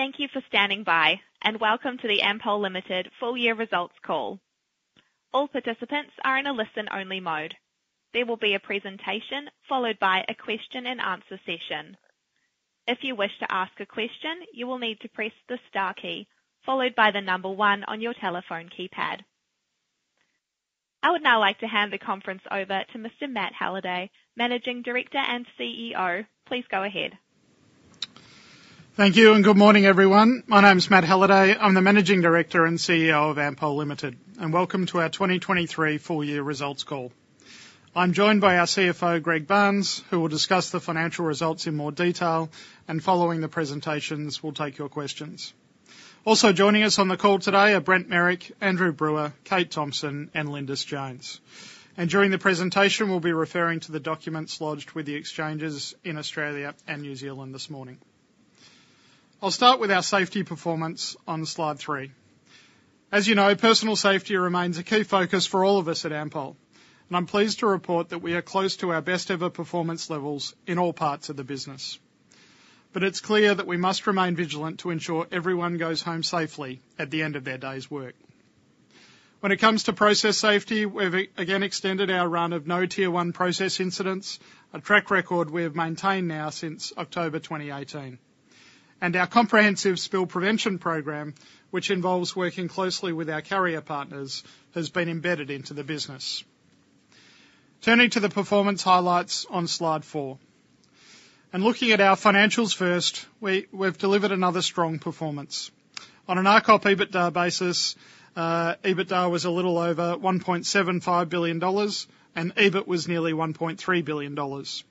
Thank you for standing by, and welcome to the Ampol Limited full-year results call. All participants are in a listen-only mode. There will be a presentation followed by a question-and-answer session. If you wish to ask a question, you will need to "press the star key followed by the number one" on your telephone keypad. I would now like to hand the conference over to Mr. Matt Halliday, Managing Director and CEO. Please go ahead. Thank you, and good morning, everyone. My name's Matt Halliday. I'm the Managing Director and CEO of Ampol Limited, and welcome to our 2023 full-year results call. I'm joined by our CFO, Greg Barnes, who will discuss the financial results in more detail, and following the presentations, we'll take your questions. Also joining us on the call today are Brent Merrick, Andrew Brewer, Kate Thomson, and Lindis Jones. During the presentation, we'll be referring to the documents lodged with the exchanges in Australia and New Zealand this morning. I'll start with our safety performance on slide three. As you know, personal safety remains a key focus for all of us at Ampol, and I'm pleased to report that we are close to our best-ever performance levels in all parts of the business. But it's clear that we must remain vigilant to ensure everyone goes home safely at the end of their day's work. When it comes to process safety, we have, again, extended our run of no tier-one process incidents, a track record we have maintained now since October 2018. Our comprehensive spill prevention program, which involves working closely with our carrier partners, has been embedded into the business. Turning to the performance highlights on slide four. Looking at our financials first, we've delivered another strong performance. On an RCOP/EBITDA basis, EBITDA was a little over 1.75 billion dollars, and EBIT was nearly 1.3 billion dollars.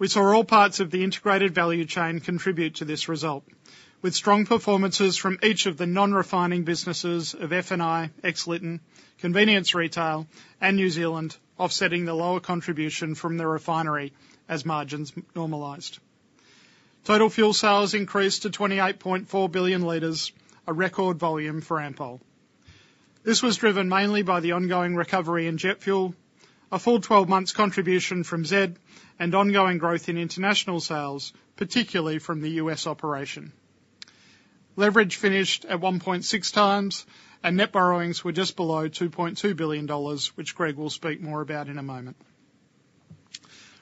We saw all parts of the integrated value chain contribute to this result, with strong performances from each of the non-refining businesses of F&I, Lytton, Convenience Retail, and New Zealand, offsetting the lower contribution from the refinery as margins normalized. Total fuel sales increased to 28.4 billion liters, a record volume for Ampol. This was driven mainly by the ongoing recovery in jet fuel, a full 12-month contribution from ZED, and ongoing growth in international sales, particularly from the U.S. operation. Leverage finished at 1.6x, and net borrowings were just below 2.2 billion dollars, which Greg will speak more about in a moment.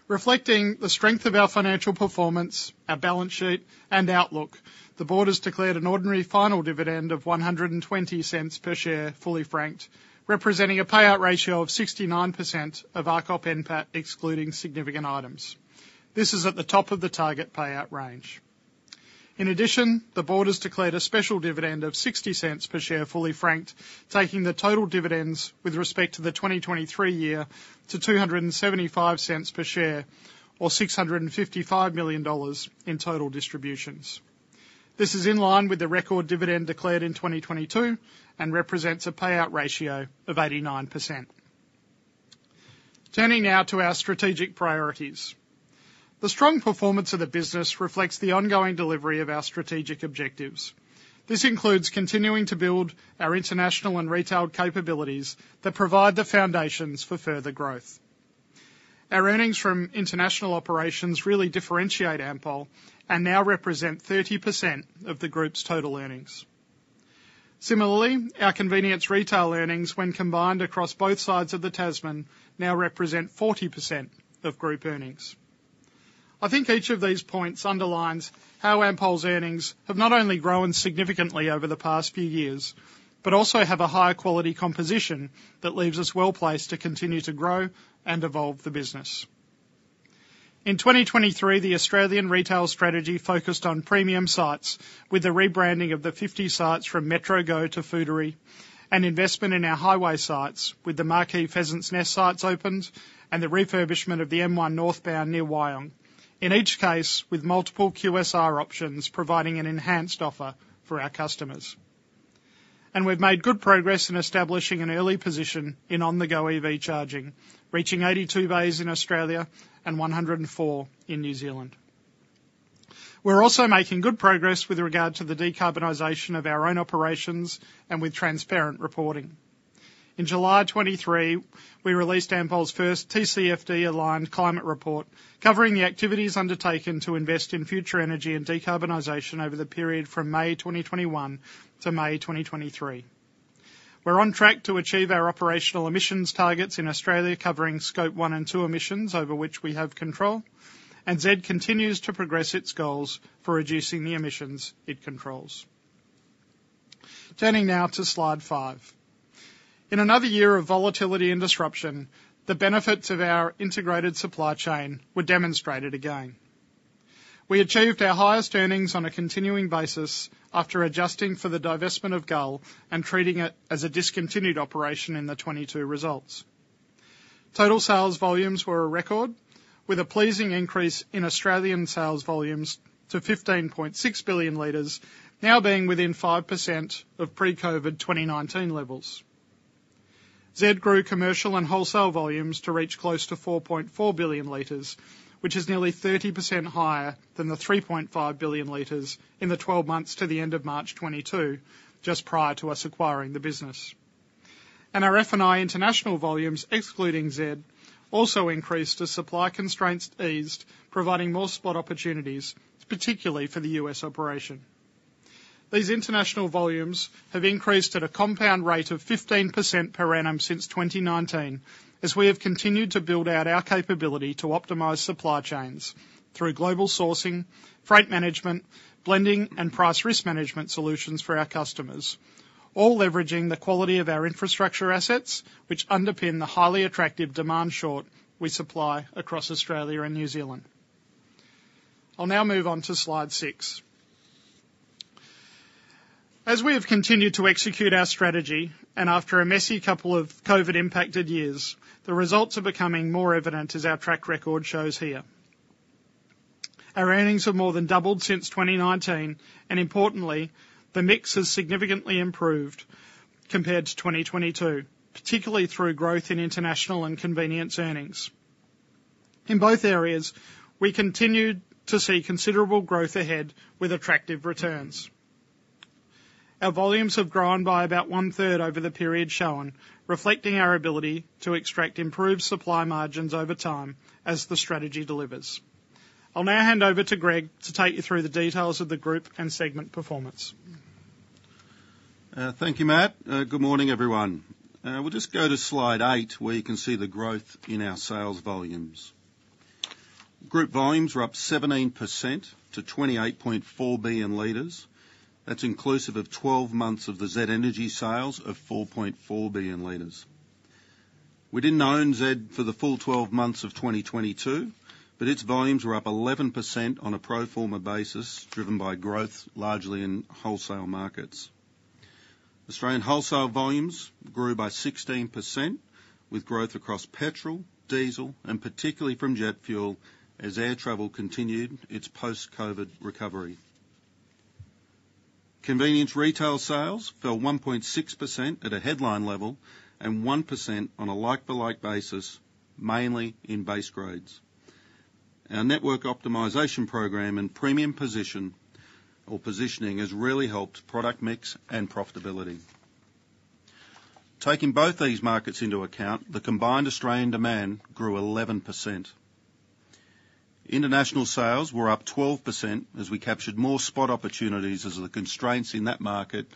Reflecting the strength of our financial performance, our balance sheet, and outlook, the board has declared an ordinary final dividend of 1.20 per share, fully franked, representing a payout ratio of 69% of RCOP/NPAT excluding significant items. This is at the top of the target payout range. In addition, the board has declared a special dividend of 0.60 per share, fully franked, taking the total dividends with respect to the 2023 year to 2.75 per share, or AUD 655 million in total distributions. This is in line with the record dividend declared in 2022 and represents a payout ratio of 89%. Turning now to our strategic priorities. The strong performance of the business reflects the ongoing delivery of our strategic objectives. This includes continuing to build our international and retail capabilities that provide the foundations for further growth. Our earnings from international operations really differentiate Ampol and now represent 30% of the group's total earnings. Similarly, our convenience retail earnings, when combined across both sides of the Tasman, now represent 40% of group earnings. I think each of these points underlines how Ampol's earnings have not only grown significantly over the past few years but also have a higher quality composition that leaves us well-placed to continue to grow and evolve the business. In 2023, the Australian retail strategy focused on premium sites with the rebranding of the 50 sites from MetroGo to Foodary, and investment in our highway sites with the Marquee Pheasants Nest sites opened and the refurbishment of the M1 northbound near Wyong, in each case with multiple QSR options providing an enhanced offer for our customers. We've made good progress in establishing an early position in on-the-go EV charging, reaching 82 bays in Australia and 104 in New Zealand. We're also making good progress with regard to the decarbonization of our own operations and with transparent reporting. In July 2023, we released Ampol's first TCFD-aligned climate report covering the activities undertaken to invest in future energy and decarbonization over the period from May 2021 to May 2023. We're on track to achieve our operational emissions targets in Australia, covering Scope 1 and Scope 2 emissions over which we have control, and ZED continues to progress its goals for reducing the emissions it controls. Turning now to slide five. In another year of volatility and disruption, the benefits of our integrated supply chain were demonstrated again. We achieved our highest earnings on a continuing basis after adjusting for the divestment of Gull and treating it as a discontinued operation in the 2022 results. Total sales volumes were a record, with a pleasing increase in Australian sales volumes to 15.6 billion liters, now being within 5% of pre-COVID 2019 levels. ZED grew commercial and wholesale volumes to reach close to 4.4 billion liters, which is nearly 30% higher than the 3.5 billion liters in the 12 months to the end of March 2022, just prior to us acquiring the business. And our F&I international volumes, excluding ZED, also increased as supply constraints eased, providing more spot opportunities, particularly for the U.S. operation. These international volumes have increased at a compound rate of 15% per annum since 2019, as we have continued to build out our capability to optimize supply chains through global sourcing, freight management, blending, and price-risk management solutions for our customers, all leveraging the quality of our infrastructure assets, which underpin the highly attractive demand short we supply across Australia and New Zealand. I'll now move on to slide six. As we have continued to execute our strategy and after a messy couple of COVID-impacted years, the results are becoming more evident, as our track record shows here. Our earnings have more than doubled since 2019, and importantly, the mix has significantly improved compared to 2022, particularly through growth in international and convenience earnings. In both areas, we continue to see considerable growth ahead with attractive returns. Our volumes have grown by about one-third over the period shown, reflecting our ability to extract improved supply margins over time as the strategy delivers. I'll now hand over to Greg to take you through the details of the group and segment performance. Thank you, Matt. Good morning, everyone. We'll just go to slide eight, where you can see the growth in our sales volumes. Group volumes are up 17% to 28.4 billion liters. That's inclusive of 12 months of the Z Energy sales of 4.4 billion liters. We didn't own Z Energy for the full 12 months of 2022, but its volumes were up 11% on a pro forma basis, driven by growth largely in wholesale markets. Australian wholesale volumes grew by 16%, with growth across petrol, diesel, and particularly from jet fuel as air travel continued its post-COVID recovery. Convenience retail sales fell 1.6% at a headline level and 1% on a like-for-like basis, mainly in base grades. Our network optimization program and premium positioning has really helped product mix and profitability. Taking both these markets into account, the combined Australian demand grew 11%. International sales were up 12% as we captured more spot opportunities as the constraints in that market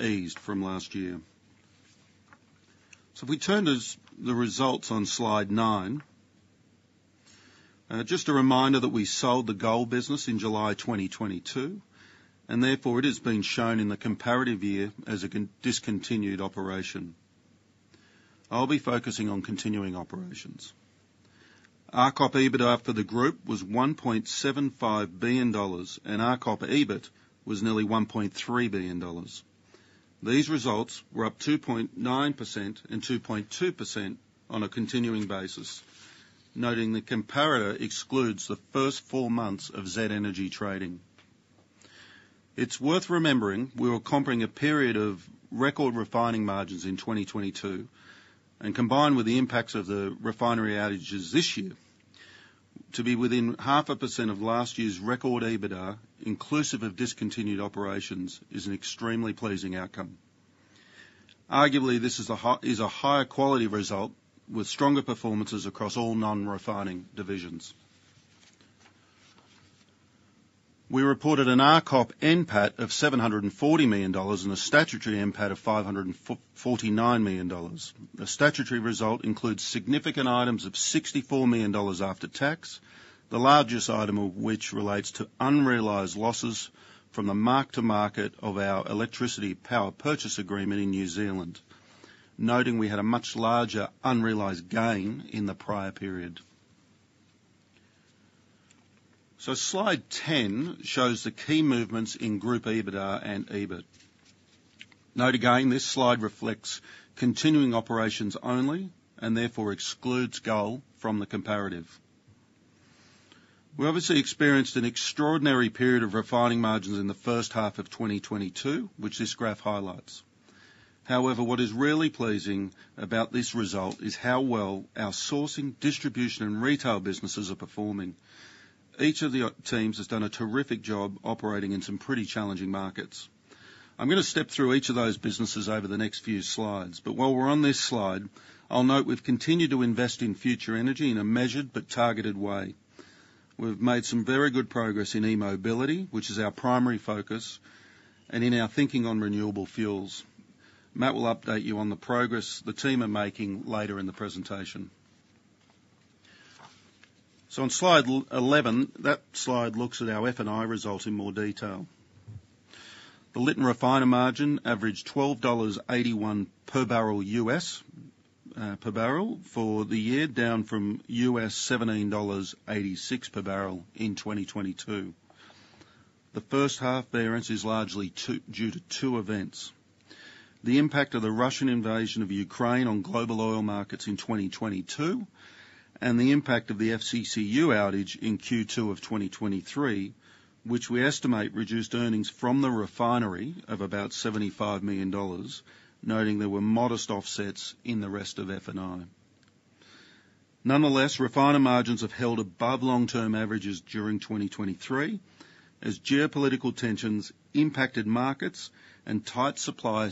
eased from last year. So if we turn to the results on slide nine just a reminder that we sold the Gull business in July 2022, and therefore it has been shown in the comparative year as a discontinued operation. I'll be focusing on continuing operations. RCOP/EBITDA for the group was AUD 1.75 billion, and RCOP/EBIT was nearly AUD 1.3 billion. These results were up 2.9% and 2.2% on a continuing basis, noting the comparator excludes the first four months of Z Energy trading. It's worth remembering we were comparing a period of record refining margins in 2022, and combined with the impacts of the refinery outages this year, to be within 0.5% of last year's record EBITDA, inclusive of discontinued operations, is an extremely pleasing outcome. Arguably, this is a higher quality result with stronger performances across all non-refining divisions. We reported an RCOP/NPAT of 740 million dollars and a statutory NPAT of 549 million dollars. The statutory result includes significant items of 64 million dollars after tax, the largest item of which relates to unrealized losses from the mark-to-market of our electricity power purchase agreement in New Zealand, noting we had a much larger unrealized gain in the prior period. Slide 10 shows the key movements in group EBITDA and EBIT. Note again, this slide reflects continuing operations only and therefore excludes Gull from the comparative. We obviously experienced an extraordinary period of refining margins in the first half of 2022, which this graph highlights. However, what is really pleasing about this result is how well our sourcing, distribution, and retail businesses are performing. Each of the teams has done a terrific job operating in some pretty challenging markets. I'm going to step through each of those businesses over the next few slides. But while we're on this slide, I'll note we've continued to invest in future energy in a measured but targeted way. We've made some very good progress in e-mobility, which is our primary focus, and in our thinking on renewable fuels. Matt will update you on the progress the team are making later in the presentation. So on slide 11, that slide looks at our F&I result in more detail. The Lytton Refiner Margin averaged $12.81 per barrel US per barrel for the year, down from $17.86 per barrel in 2022. The first half therein is largely due to two events: the impact of the Russian invasion of Ukraine on global oil markets in 2022 and the impact of the FCCU outage in Q2 of 2023, which we estimate reduced earnings from the refinery of about 75 million dollars, noting there were modest offsets in the rest of F&I. Nonetheless, refining margins have held above long-term averages during 2023 as geopolitical tensions impacted markets and tight supply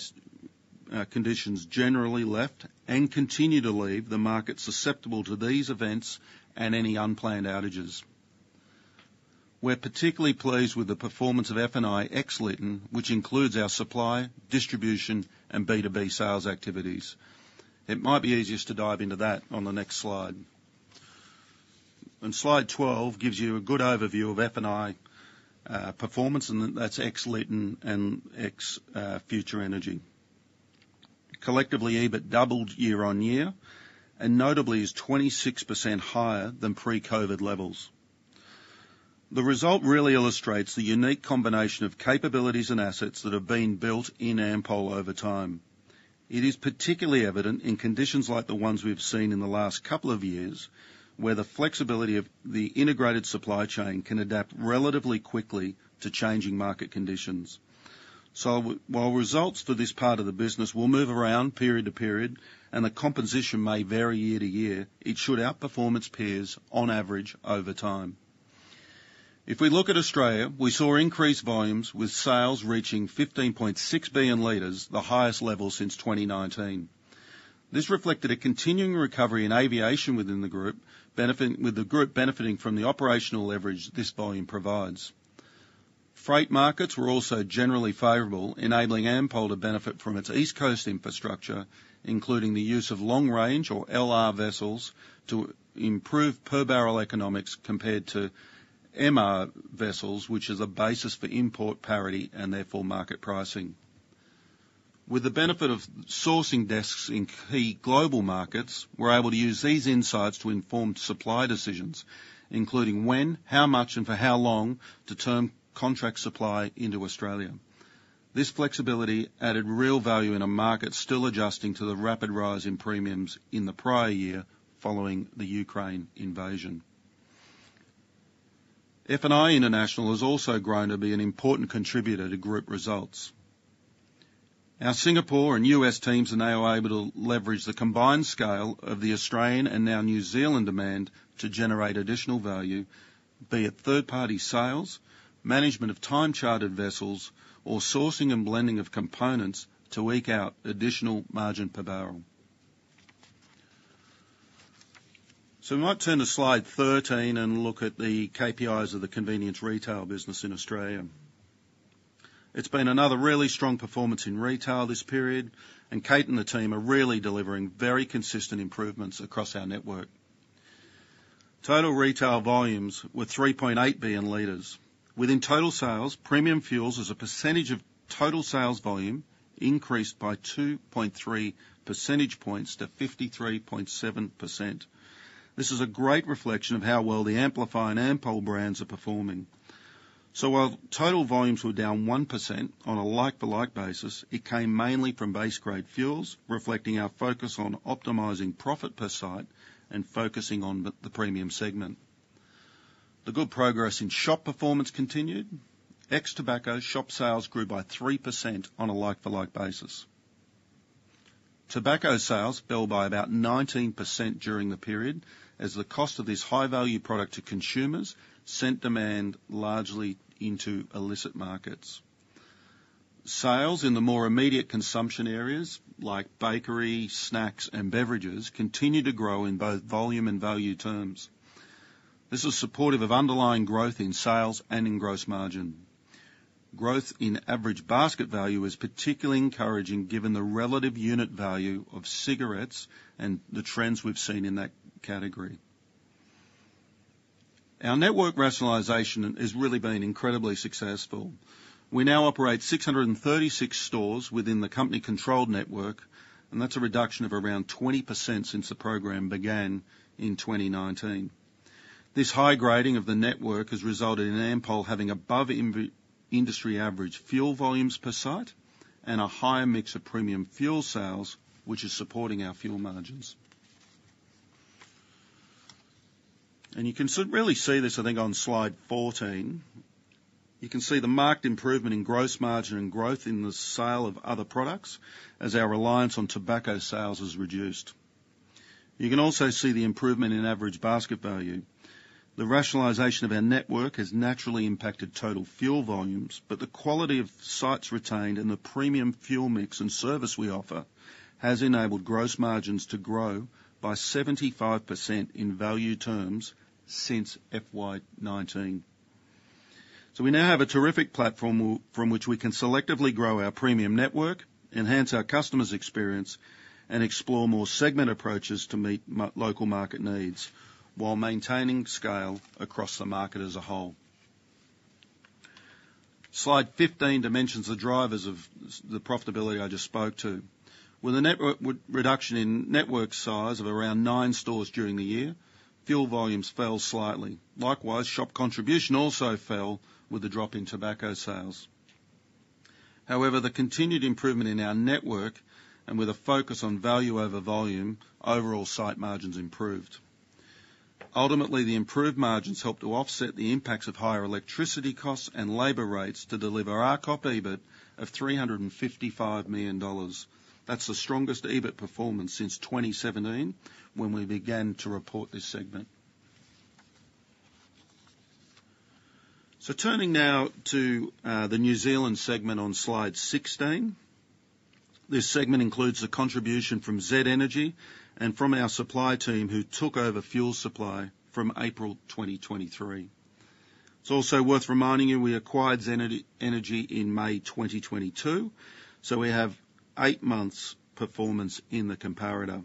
conditions generally left and continue to leave the markets susceptible to these events and any unplanned outages. We're particularly pleased with the performance of F&I ex-Lytton, which includes our supply, distribution, and B2B sales activities. It might be easier to dive into that on the next slide. Slide 12 gives you a good overview of F&I performance, and that's ex-Lytton and Future Energy. Collectively, EBIT doubled year-over-year, and notably, is 26% higher than pre-COVID levels. The result really illustrates the unique combination of capabilities and assets that have been built in Ampol over time. It is particularly evident in conditions like the ones we've seen in the last couple of years, where the flexibility of the integrated supply chain can adapt relatively quickly to changing market conditions. So while results for this part of the business will move around period-to-period and the composition may vary year-to-year, it should outperform its peers, on average, over time. If we look at Australia, we saw increased volumes, with sales reaching 15.6 billion liters, the highest level since 2019. This reflected a continuing recovery in aviation within the group, with the group benefiting from the operational leverage this volume provides. Freight markets were also generally favorable, enabling Ampol to benefit from its east coast infrastructure, including the use of long-range, or LR, vessels to improve per-barrel economics compared to MR vessels, which is a basis for import parity and therefore market pricing. With the benefit of sourcing desks in key global markets, we're able to use these insights to inform supply decisions, including when, how much, and for how long to turn contract supply into Australia. This flexibility added real value in a market still adjusting to the rapid rise in premiums in the prior year following the Ukraine invasion. F&I International has also grown to be an important contributor to group results. Our Singapore and U.S. teams, and they are able to leverage the combined scale of the Australian and now New Zealand demand to generate additional value, be it third-party sales, management of time-chartered vessels, or sourcing and blending of components to eke out additional margin per barrel. So we might turn to slide 13 and look at the KPIs of the convenience retail business in Australia. It's been another really strong performance in retail this period, and Kate and the team are really delivering very consistent improvements across our network. Total retail volumes were 3.8 billion liters. Within total sales, premium fuels as a percentage of total sales volume increased by 2.3 percentage points to 53.7%. This is a great reflection of how well the Amplify and Ampol brands are performing. So while total volumes were down 1% on a like-for-like basis, it came mainly from base-grade fuels, reflecting our focus on optimizing profit per site and focusing on the premium segment. The good progress in shop performance continued. Ex-tobacco shop sales grew by 3% on a like-for-like basis. Tobacco sales fell by about 19% during the period, as the cost of this high-value product to consumers sent demand largely into illicit markets. Sales in the more immediate consumption areas, like bakery, snacks, and beverages, continue to grow in both volume and value terms. This is supportive of underlying growth in sales and in gross margin. Growth in average basket value is particularly encouraging, given the relative unit value of cigarettes and the trends we've seen in that category. Our network rationalisation has really been incredibly successful. We now operate 636 stores within the company-controlled network, and that's a reduction of around 20% since the program began in 2019. This high grading of the network has resulted in Ampol having above-industry average fuel volumes per site and a higher mix of premium fuel sales, which is supporting our fuel margins. You can really see this, I think, on slide 14. You can see the marked improvement in gross margin and growth in the sale of other products as our reliance on tobacco sales has reduced. You can also see the improvement in average basket value. The rationalization of our network has naturally impacted total fuel volumes, but the quality of sites retained and the premium fuel mix and service we offer has enabled gross margins to grow by 75% in value terms since FY19. So we now have a terrific platform from which we can selectively grow our premium network, enhance our customers' experience, and explore more segment approaches to meet local market needs while maintaining scale across the market as a whole. Slide 15 mentions the drivers of the profitability I just spoke to. With a reduction in network size of around nine stores during the year, fuel volumes fell slightly. Likewise, shop contribution also fell with the drop in tobacco sales. However, the continued improvement in our network and with a focus on value over volume, overall site margins improved. Ultimately, the improved margins helped to offset the impacts of higher electricity costs and labour rates to deliver RCOP/EBIT of 355 million dollars. That's the strongest EBIT performance since 2017, when we began to report this segment. So turning now to the New Zealand segment on slide 16. This segment includes the contribution from Z Energy and from our supply team who took over fuel supply from April 2023. It's also worth reminding you we acquired Z Energy in May 2022, so we have eight months' performance in the comparator.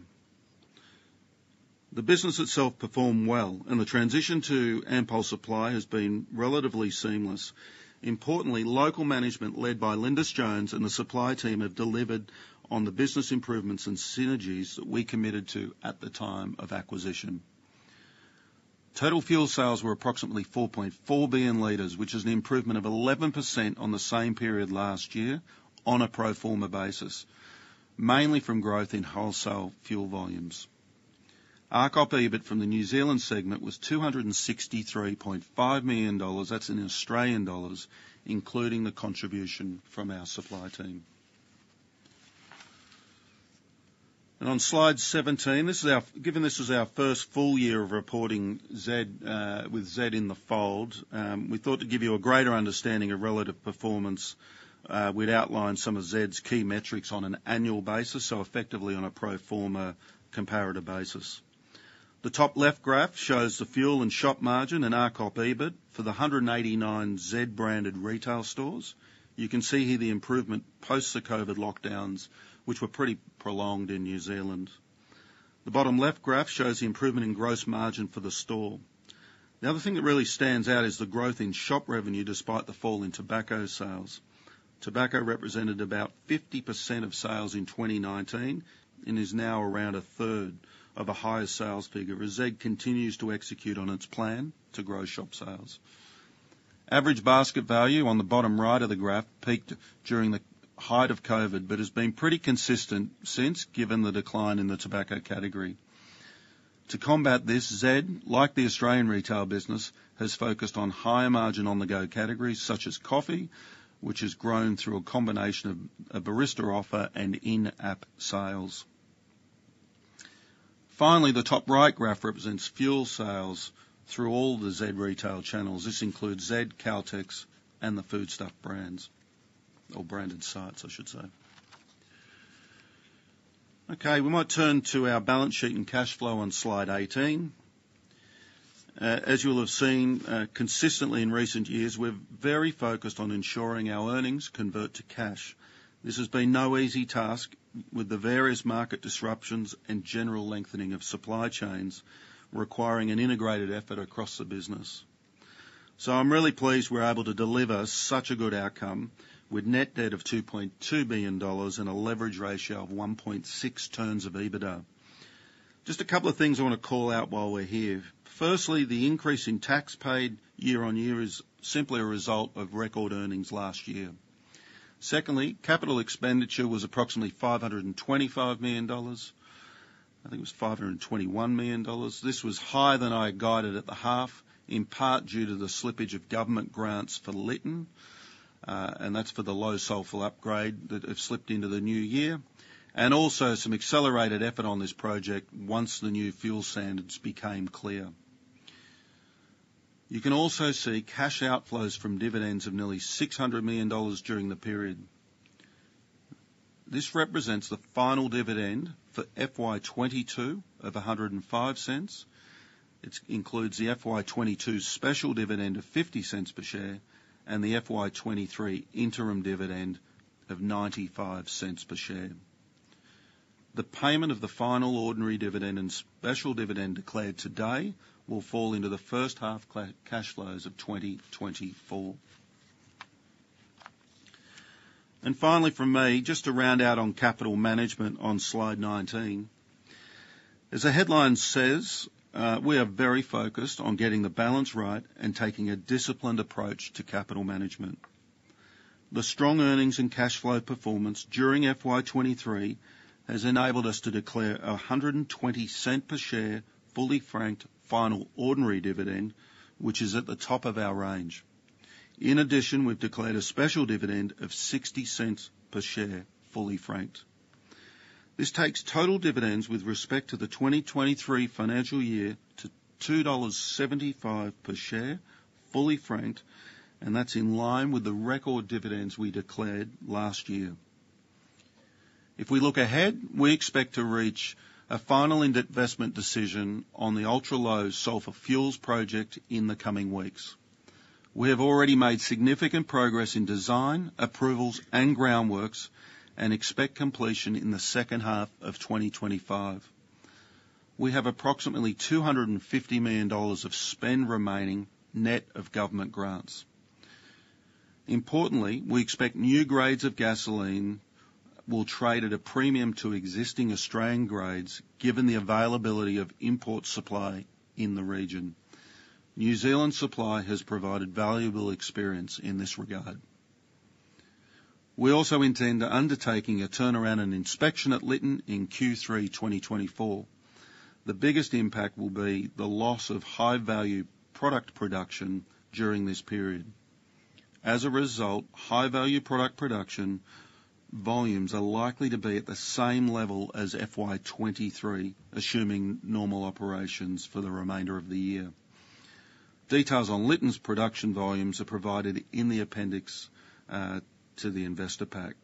The business itself performed well, and the transition to Ampol supply has been relatively seamless. Importantly, local management led by Lindis Jones and the supply team have delivered on the business improvements and synergies that we committed to at the time of acquisition. Total fuel sales were approximately 4.4 billion litres, which is an improvement of 11% on the same period last year on a pro forma basis, mainly from growth in wholesale fuel volumes. RCOP/EBIT from the New Zealand segment was 263.5 million dollars. That's in Australian dollars, including the contribution from our supply team. On slide 17, given this was our first full year of reporting with ZED in the fold, we thought to give you a greater understanding of relative performance. We'd outline some of ZED's key metrics on an annual basis, so effectively on a pro forma comparator basis. The top left graph shows the fuel and shop margin and RCOP/EBIT for the 189 ZED-branded retail stores. You can see here the improvement post the COVID lockdowns, which were pretty prolonged in New Zealand. The bottom left graph shows the improvement in gross margin for the store. The other thing that really stands out is the growth in shop revenue despite the fall in tobacco sales. Tobacco represented about 50% of sales in 2019 and is now around a third of a higher sales figure, as ZED continues to execute on its plan to grow shop sales. Average basket value on the bottom right of the graph peaked during the height of COVID but has been pretty consistent since, given the decline in the tobacco category. To combat this, ZED, like the Australian retail business, has focused on higher margin on-the-go categories such as coffee, which has grown through a combination of a barista offer and in-app sales. Finally, the top right graph represents fuel sales through all the ZED retail channels. This includes ZED, Caltex, and the Foodstuffs brands or branded sites, I should say. Okay. We might turn to our balance sheet and cash flow on slide 18. As you will have seen, consistently in recent years, we're very focused on ensuring our earnings convert to cash. This has been no easy task with the various market disruptions and general lengthening of supply chains requiring an integrated effort across the business. So I'm really pleased we're able to deliver such a good outcome with net debt of 2.2 billion dollars and a leverage ratio of 1.6x EBITDA. Just a couple of things I want to call out while we're here. Firstly, the increase in tax paid year-over-year is simply a result of record earnings last year. Secondly, capital expenditure was approximately 525 million dollars. I think it was 521 million dollars. This was higher than I had guided at the half, in part due to the slippage of government grants for Lytton, and that's for the low-sulphur upgrade that have slipped into the new year, and also some accelerated effort on this project once the new fuel standards became clear. You can also see cash outflows from dividends of nearly 600 million dollars during the period. This represents the final dividend for FY22 of 1.05. It includes the FY22 special dividend of 0.50 per share and the FY23 interim dividend of 0.95 per share. The payment of the final ordinary dividend and special dividend declared today will fall into the first half cash flows of 2024. Finally, from me, just to round out on capital management on slide 19. As the headline says, we are very focused on getting the balance right and taking a disciplined approach to capital management. The strong earnings and cash flow performance during FY23 has enabled us to declare a AUD 1.20-per-share fully franked final ordinary dividend, which is at the top of our range. In addition, we've declared a special dividend of 0.60 per share fully franked. This takes total dividends with respect to the 2023 financial year to 2.75 dollars per share fully franked, and that's in line with the record dividends we declared last year. If we look ahead, we expect to reach a final investment decision on the ultra-low sulfur fuels project in the coming weeks. We have already made significant progress in design, approvals, and groundworks and expect completion in the second half of 2025. We have approximately 250 million dollars of spend remaining net of government grants. Importantly, we expect new grades of gasoline will trade at a premium to existing Australian grades, given the availability of import supply in the region. New Zealand supply has provided valuable experience in this regard. We also intend to undertake a turnaround and inspection at Lytton in Q3 2024. The biggest impact will be the loss of high-value product production during this period. As a result, high-value product production volumes are likely to be at the same level as FY 2023, assuming normal operations for the remainder of the year. Details on Lytton's production volumes are provided in the appendix to the investor pack.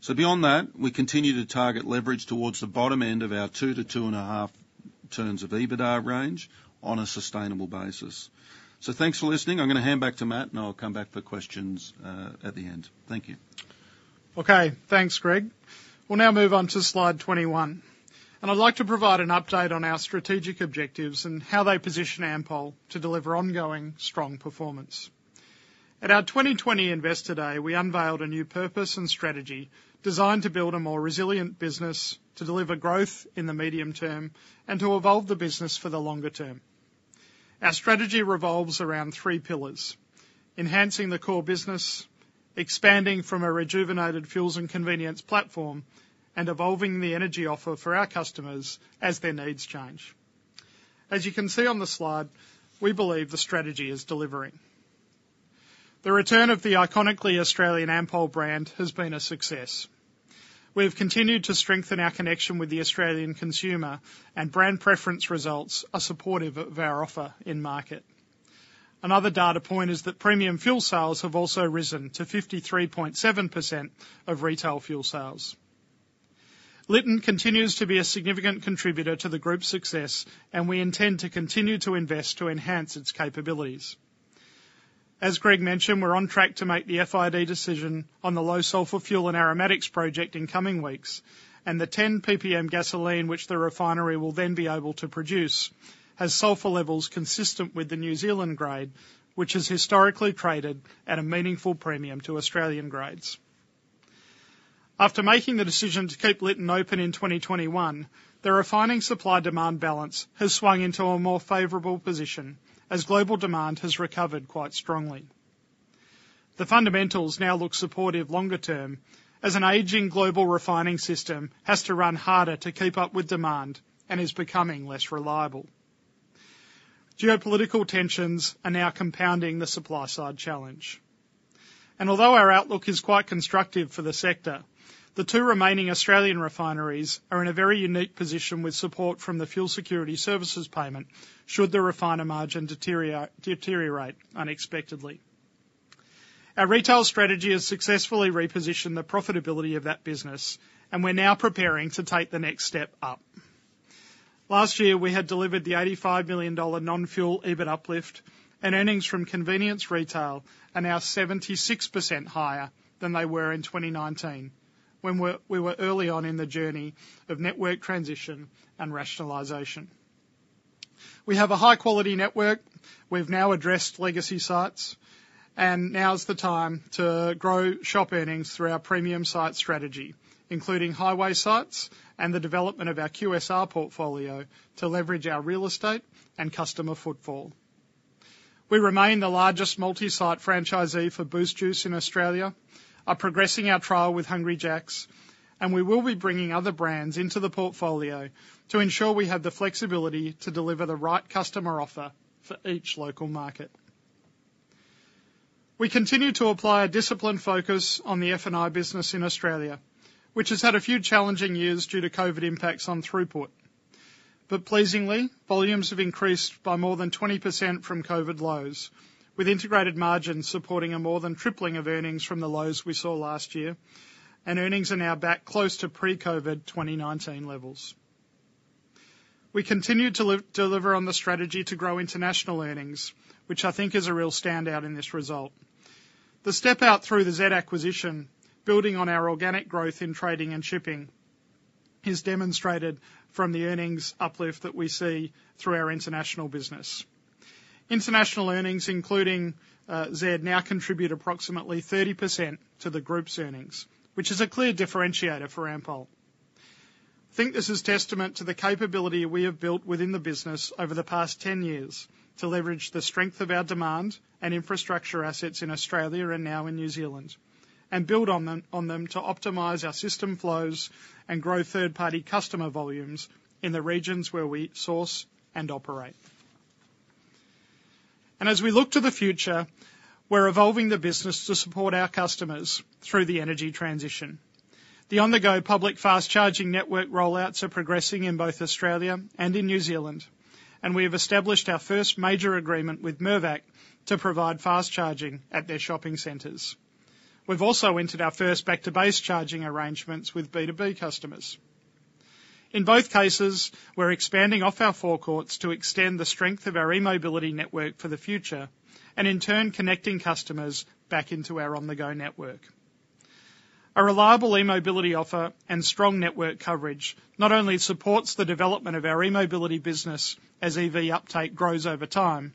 So beyond that, we continue to target leverage towards the bottom end of our 2-2.5x EBITDA range on a sustainable basis. So thanks for listening. I'm going to hand back to Matt, and I'll come back for questions at the end. Thank you. Okay. Thanks, Greg. We'll now move on to slide 21. I'd like to provide an update on our strategic objectives and how they position Ampol to deliver ongoing strong performance. At our 2020 Investor Day, we unveiled a new purpose and strategy designed to build a more resilient business, to deliver growth in the medium term, and to evolve the business for the longer term. Our strategy revolves around three pillars: enhancing the core business, expanding from a rejuvenated fuels and convenience platform, and evolving the energy offer for our customers as their needs change. As you can see on the slide, we believe the strategy is delivering. The return of the iconically Australian Ampol brand has been a success. We've continued to strengthen our connection with the Australian consumer, and brand preference results are supportive of our offer in market. Another data point is that premium fuel sales have also risen to 53.7% of retail fuel sales. Lytton continues to be a significant contributor to the group's success, and we intend to continue to invest to enhance its capabilities. As Greg mentioned, we're on track to make the FID decision on the low-sulfur fuel and aromatics project in coming weeks, and the 10 ppm gasoline which the refinery will then be able to produce has sulfur levels consistent with the New Zealand grade, which has historically traded at a meaningful premium to Australian grades. After making the decision to keep Lytton open in 2021, the refining supply-demand balance has swung into a more favorable position as global demand has recovered quite strongly. The fundamentals now look supportive longer term as an aging global refining system has to run harder to keep up with demand and is becoming less reliable. Geopolitical tensions are now compounding the supply-side challenge. Although our outlook is quite constructive for the sector, the two remaining Australian refineries are in a very unique position with support from the Fuel Security Services payment should the refiner margin deteriorate unexpectedly. Our retail strategy has successfully repositioned the profitability of that business, and we're now preparing to take the next step up. Last year, we had delivered the 85 million dollar non-fuel EBIT uplift, and earnings from convenience retail are now 76% higher than they were in 2019 when we were early on in the journey of network transition and rationalization. We have a high-quality network. We've now addressed legacy sites. Now's the time to grow shop earnings through our premium site strategy, including highway sites and the development of our QSR portfolio to leverage our real estate and customer footfall. We remain the largest multi-site franchisee for Boost Juice in Australia, are progressing our trial with Hungry Jack's, and we will be bringing other brands into the portfolio to ensure we have the flexibility to deliver the right customer offer for each local market. We continue to apply a disciplined focus on the F&I business in Australia, which has had a few challenging years due to COVID impacts on throughput. But pleasingly, volumes have increased by more than 20% from COVID lows, with integrated margins supporting a more than tripling of earnings from the lows we saw last year, and earnings are now back close to pre-COVID 2019 levels. We continue to deliver on the strategy to grow international earnings, which I think is a real standout in this result. The step out through the Z Energy acquisition, building on our organic growth in trading and shipping, is demonstrated from the earnings uplift that we see through our international business. International earnings, including Z Energy, now contribute approximately 30% to the group's earnings, which is a clear differentiator for Ampol. I think this is testament to the capability we have built within the business over the past 10 years to leverage the strength of our demand and infrastructure assets in Australia and now in New Zealand, and build on them to optimize our system flows and grow third-party customer volumes in the regions where we source and operate. As we look to the future, we're evolving the business to support our customers through the energy transition. The on-the-go public fast-charging network rollouts are progressing in both Australia and in New Zealand, and we have established our first major agreement with Mirvac to provide fast-charging at their shopping centers. We've also entered our first back-to-base charging arrangements with B2B customers. In both cases, we're expanding off our forecourts to extend the strength of our e-mobility network for the future and, in turn, connecting customers back into our on-the-go network. A reliable e-mobility offer and strong network coverage not only supports the development of our e-mobility business as EV uptake grows over time,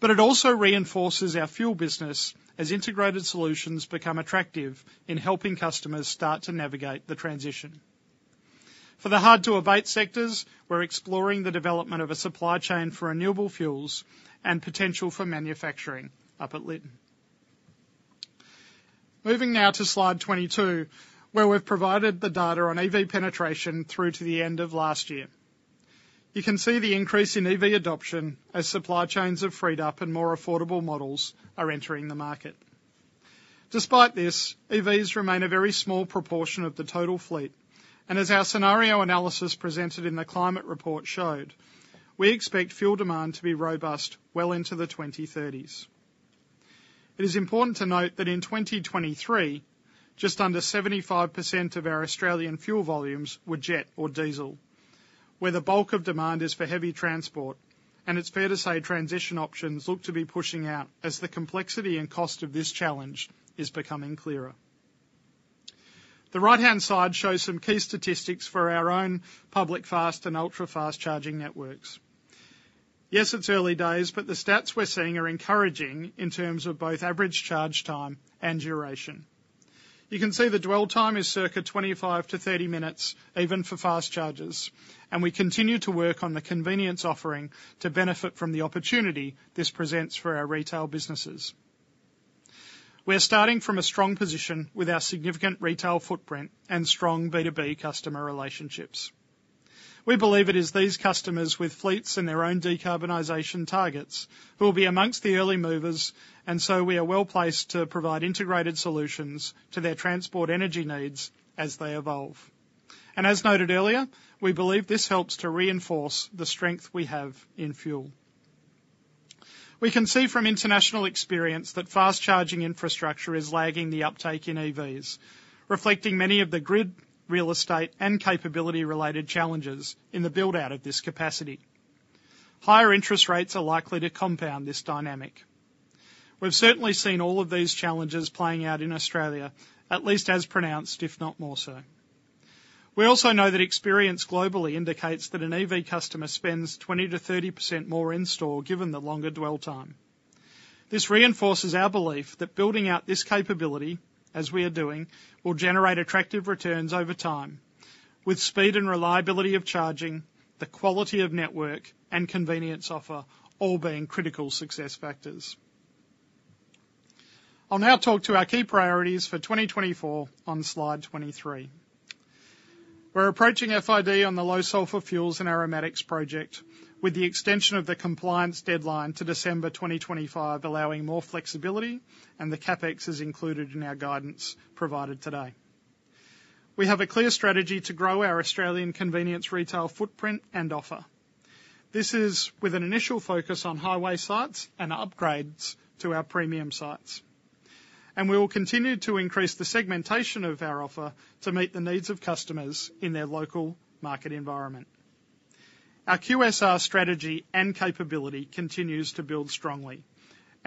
but it also reinforces our fuel business as integrated solutions become attractive in helping customers start to navigate the transition. For the hard-to-abate sectors, we're exploring the development of a supply chain for renewable fuels and potential for manufacturing up at Lytton. Moving now to slide 22, where we've provided the data on EV penetration through to the end of last year. You can see the increase in EV adoption as supply chains have freed up and more affordable models are entering the market. Despite this, EVs remain a very small proportion of the total fleet, and as our scenario analysis presented in the climate report showed, we expect fuel demand to be robust well into the 2030s. It is important to note that in 2023, just under 75% of our Australian fuel volumes were jet or diesel, where the bulk of demand is for heavy transport, and it's fair to say transition options look to be pushing out as the complexity and cost of this challenge is becoming clearer. The right-hand side shows some key statistics for our own public fast and ultra-fast charging networks. Yes, it's early days, but the stats we're seeing are encouraging in terms of both average charge time and duration. You can see the dwell time is circa 25-30 minutes, even for fast chargers, and we continue to work on the convenience offering to benefit from the opportunity this presents for our retail businesses. We're starting from a strong position with our significant retail footprint and strong B2B customer relationships. We believe it is these customers with fleets and their own decarbonization targets who will be among the early movers, and so we are well placed to provide integrated solutions to their transport energy needs as they evolve. As noted earlier, we believe this helps to reinforce the strength we have in fuel. We can see from international experience that fast-charging infrastructure is lagging the uptake in EVs, reflecting many of the grid, real estate, and capability-related challenges in the build-out of this capacity. Higher interest rates are likely to compound this dynamic. We've certainly seen all of these challenges playing out in Australia, at least as pronounced, if not more so. We also know that experience globally indicates that an EV customer spends 20%-30% more in-store given the longer dwell time. This reinforces our belief that building out this capability, as we are doing, will generate attractive returns over time, with speed and reliability of charging, the quality of network, and convenience offer all being critical success factors. I'll now talk to our key priorities for 2024 on slide 23. We're approaching FID on the low-sulfur fuels and aromatics project, with the extension of the compliance deadline to December 2025 allowing more flexibility, and the CapEx is included in our guidance provided today. We have a clear strategy to grow our Australian convenience retail footprint and offer. This is with an initial focus on highway sites and upgrades to our premium sites. We will continue to increase the segmentation of our offer to meet the needs of customers in their local market environment. Our QSR strategy and capability continues to build strongly.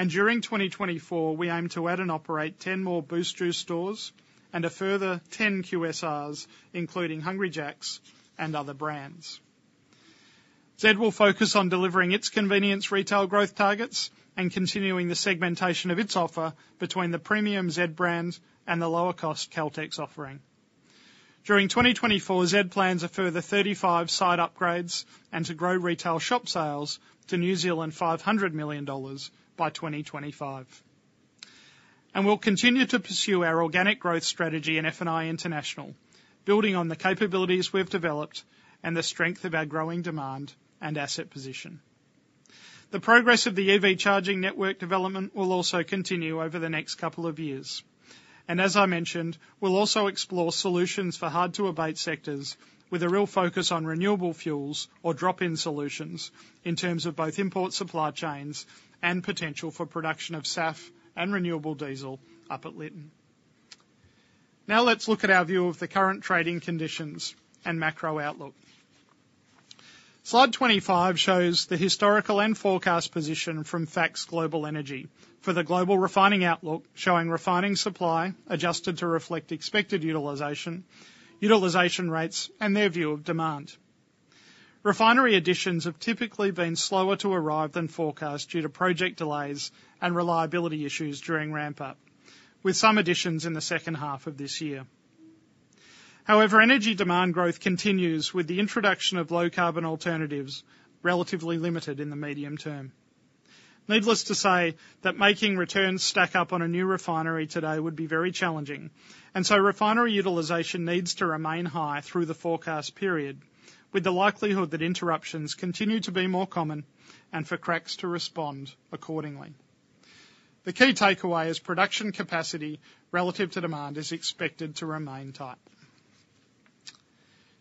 During 2024, we aim to add and operate 10 more Boost Juice stores and a further 10 QSRs, including Hungry Jack's and other brands. Z Energy will focus on delivering its convenience retail growth targets and continuing the segmentation of its offer between the premium Z brand and the lower-cost Caltex offering. During 2024, Z Energy plans a further 35 site upgrades and to grow retail shop sales to 500 million New Zealand dollars by 2025. We'll continue to pursue our organic growth strategy in F&I International, building on the capabilities we've developed and the strength of our growing demand and asset position. The progress of the EV charging network development will also continue over the next couple of years. As I mentioned, we'll also explore solutions for hard-to-abate sectors with a real focus on renewable fuels or drop-in solutions in terms of both import supply chains and potential for production of SAF and renewable diesel up at Lytton. Now let's look at our view of the current trading conditions and macro outlook. Slide 25 shows the historical and forecast position from Facts Global Energy for the global refining outlook, showing refining supply adjusted to reflect expected utilization, utilization rates, and their view of demand. Refinery additions have typically been slower to arrive than forecast due to project delays and reliability issues during ramp-up, with some additions in the second half of this year. However, energy demand growth continues with the introduction of low-carbon alternatives relatively limited in the medium term. Needless to say, that making returns stack up on a new refinery today would be very challenging, and so refinery utilization needs to remain high through the forecast period, with the likelihood that interruptions continue to be more common and for cracks to respond accordingly. The key takeaway is production capacity relative to demand is expected to remain tight.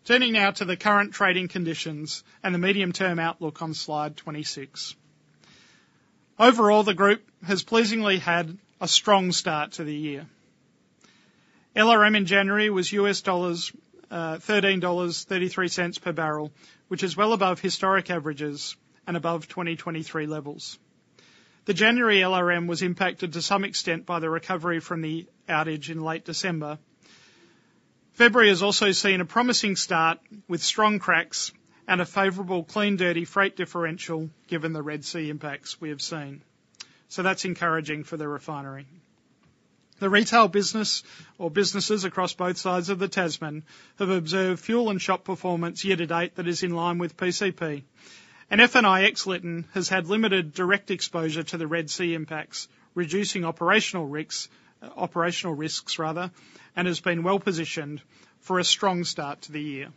Turning now to the current trading conditions and the medium-term outlook on slide 26. Overall, the group has pleasingly had a strong start to the year. LRM in January was $13.33 per barrel, which is well above historic averages and above 2023 levels. The January LRM was impacted to some extent by the recovery from the outage in late December. February has also seen a promising start with strong cracks and a favorable clean-dirty freight differential given the Red Sea impacts we have seen. So that's encouraging for the refinery. The retail business or businesses across both sides of the Tasman have observed fuel and shop performance year to date that is in line with PCP. F&I ex-Lytton has had limited direct exposure to the Red Sea impacts, reducing operational risks, rather, and has been well positioned for a strong start to the year.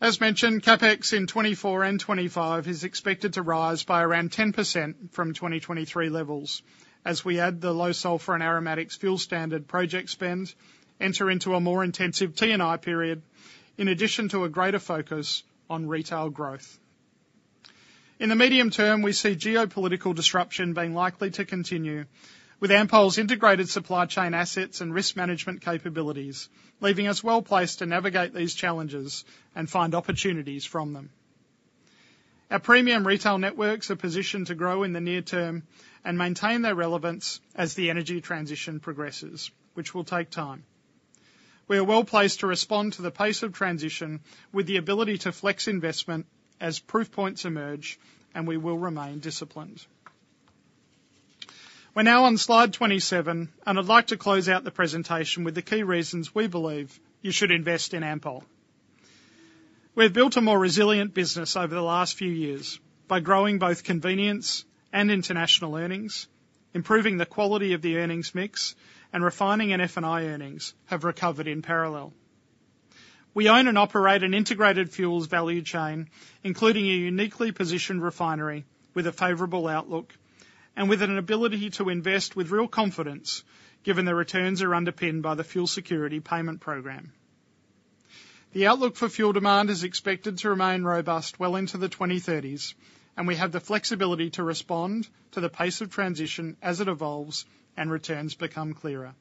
As mentioned, CapEx in 2024 and 2025 is expected to rise by around 10% from 2023 levels as we add the low-sulfur and aromatics fuel standard project spend, enter into a more intensive T&I period, in addition to a greater focus on retail growth. In the medium term, we see geopolitical disruption being likely to continue with Ampol's integrated supply chain assets and risk management capabilities, leaving us well placed to navigate these challenges and find opportunities from them. Our premium retail networks are positioned to grow in the near term and maintain their relevance as the energy transition progresses, which will take time. We are well placed to respond to the pace of transition with the ability to flex investment as proof points emerge, and we will remain disciplined. We're now on slide 27, and I'd like to close out the presentation with the key reasons we believe you should invest in Ampol. We've built a more resilient business over the last few years by growing both convenience and international earnings. Improving the quality of the earnings mix and refining and F&I earnings have recovered in parallel. We own and operate an integrated fuels value chain, including a uniquely positioned refinery with a favorable outlook and with an ability to invest with real confidence given the returns are underpinned by the Fuel Security Payment Program. The outlook for fuel demand is expected to remain robust well into the 2030s, and we have the flexibility to respond to the pace of transition as it evolves and returns become clearer.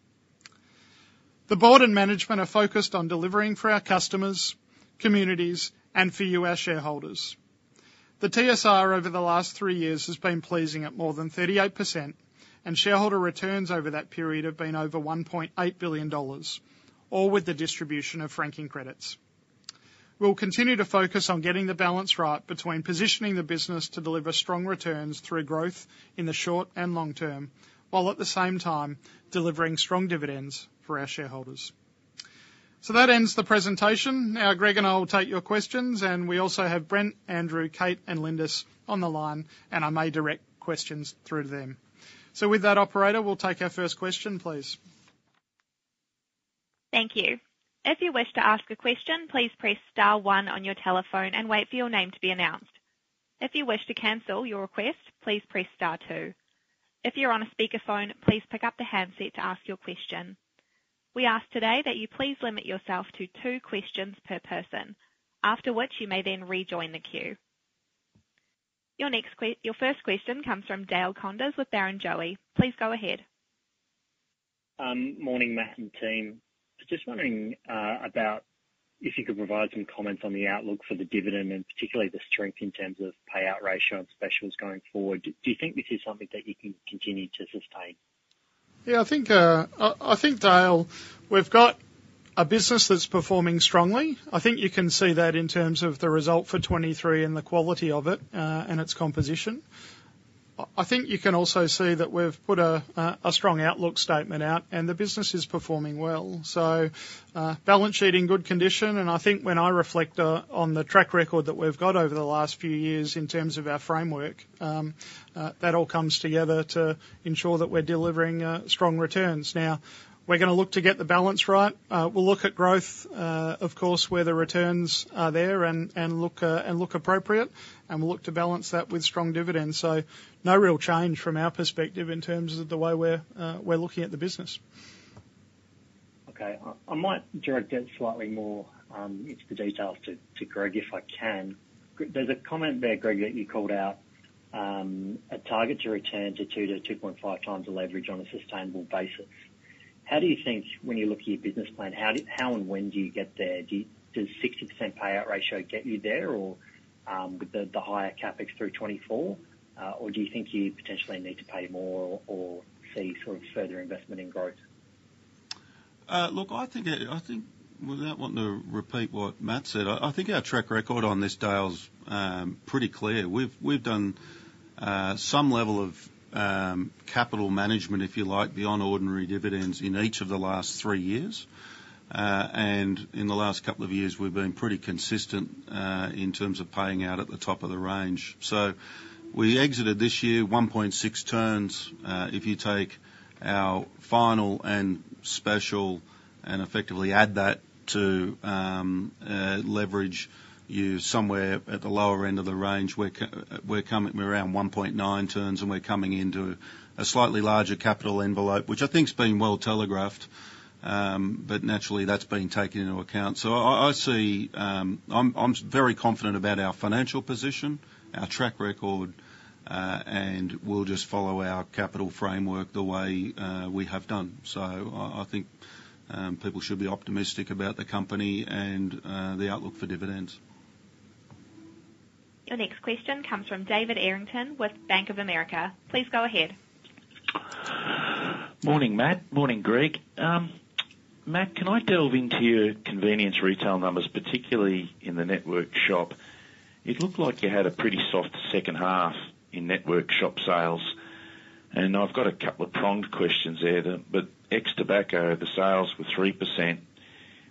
The board and management are focused on delivering for our customers, communities, and for you, our shareholders. The TSR over the last three years has been pleasing at more than 38%, and shareholder returns over that period have been over 1.8 billion dollars, all with the distribution of franking credits. We'll continue to focus on getting the balance right between positioning the business to deliver strong returns through growth in the short and long term while, at the same time, delivering strong dividends for our shareholders. So that ends the presentation. Now, Greg and I will take your questions, and we also have Brent, Andrew, Kate, and Lindis on the line, and I may direct questions through to them. So with that, operator, we'll take our first question, please. Thank you. If you wish to ask a question, please press star one on your telephone and wait for your name to be announced. If you wish to cancel your request, please press star two. If you're on a speakerphone, please pick up the handset to ask your question. We ask today that you please limit yourself to two questions per person, after which you may then rejoin the queue. Your first question comes from Dale Koenders with Barrenjoey. Please go ahead. Morning, Matt and team. Just wondering about if you could provide some comments on the outlook for the dividend and particularly the strength in terms of payout ratio and specials going forward. Do you think this is something that you can continue to sustain? Yeah, I think, Dale, we've got a business that's performing strongly. I think you can see that in terms of the result for 2023 and the quality of it and its composition. I think you can also see that we've put a strong outlook statement out, and the business is performing well. Balance sheet in good condition. I think when I reflect on the track record that we've got over the last few years in terms of our framework, that all comes together to ensure that we're delivering strong returns. Now, we're going to look to get the balance right. We'll look at growth, of course, where the returns are there and look appropriate, and we'll look to balance that with strong dividends. No real change from our perspective in terms of the way we're looking at the business. Okay. I might direct that slightly more into the details to Greg if I can. There's a comment there, Greg, that you called out a target to return to 2-2.5x the leverage on a sustainable basis. How do you think when you look at your business plan, how and when do you get there? Does 60% payout ratio get you there with the higher CapEx through 2024, or do you think you potentially need to pay more or see sort of further investment in growth? Look, I think without wanting to repeat what Matt said, I think our track record on this, Dale, is pretty clear. We've done some level of capital management, if you like, beyond ordinary dividends in each of the last three years. And in the last couple of years, we've been pretty consistent in terms of paying out at the top of the range. So we exited this year 1.6 turns. If you take our final and special and effectively add that to leverage, you're somewhere at the lower end of the range. We're around 1.9 turns, and we're coming into a slightly larger capital envelope, which I think's been well telegraphed, but naturally, that's been taken into account. So I'm very confident about our financial position, our track record, and we'll just follow our capital framework the way we have done. So I think people should be optimistic about the company and the outlook for dividends. Your next question comes from David Errington with Bank of America. Please go ahead. Morning, Matt. Morning, Greg. Matt, can I delve into your convenience retail numbers, particularly in the network shop? It looked like you had a pretty soft second half in network shop sales. And I've got a couple of pronged questions there. But ex-tobacco, the sales were 3%,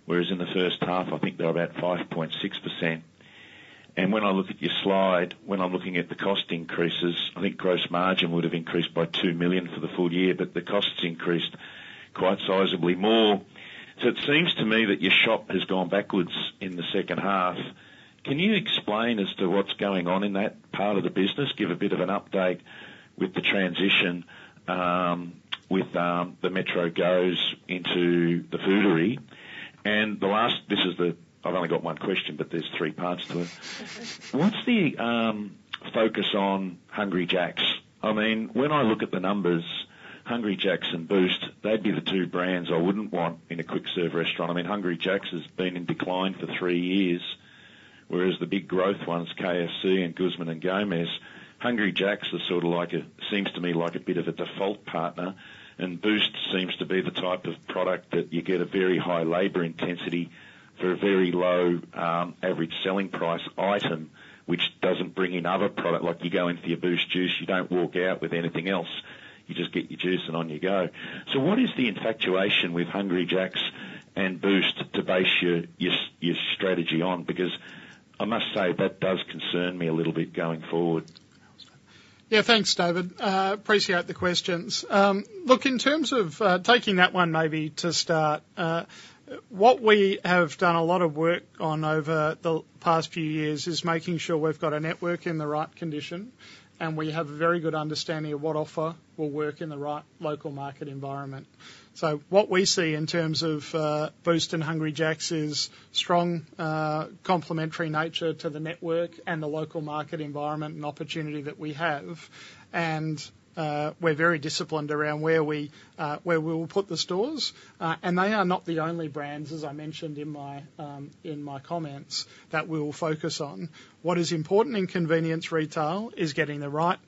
whereas in the first half, I think they're about 5.6%. And when I look at your slide, when I'm looking at the cost increases, I think gross margin would have increased by 2 million for the full year, but the costs increased quite sizably more. So it seems to me that your shop has gone backwards in the second half. Can you explain as to what's going on in that part of the business? Give a bit of an update with the transition with the MetroGo into the Foodary. I've only got one question, but there's three parts to it. What's the focus on Hungry Jack's? I mean, when I look at the numbers, Hungry Jack's and Boost, they'd be the two brands I wouldn't want in a quick-serve restaurant. I mean, Hungry Jack's has been in decline for three years, whereas the big growth ones, KFC and Guzmán y Gómez, Hungry Jack's is sort of seems to me like a bit of a default partner. And Boost seems to be the type of product that you get a very high labor intensity for a very low average selling price item, which doesn't bring in other product. You go in for your Boost juice. You don't walk out with anything else. You just get your juice and on you go. So what is the infatuation with Hungry Jack's and Boost to base your strategy on? Because I must say that does concern me a little bit going forward. Yeah, thanks, David. Appreciate the questions. Look, in terms of taking that one maybe to start, what we have done a lot of work on over the past few years is making sure we've got a network in the right condition and we have a very good understanding of what offer will work in the right local market environment. So what we see in terms of Boost and Hungry Jack's is strong complementary nature to the network and the local market environment and opportunity that we have. And we're very disciplined around where we will put the stores. And they are not the only brands, as I mentioned in my comments, that we will focus on. What is important in convenience retail is getting the right offer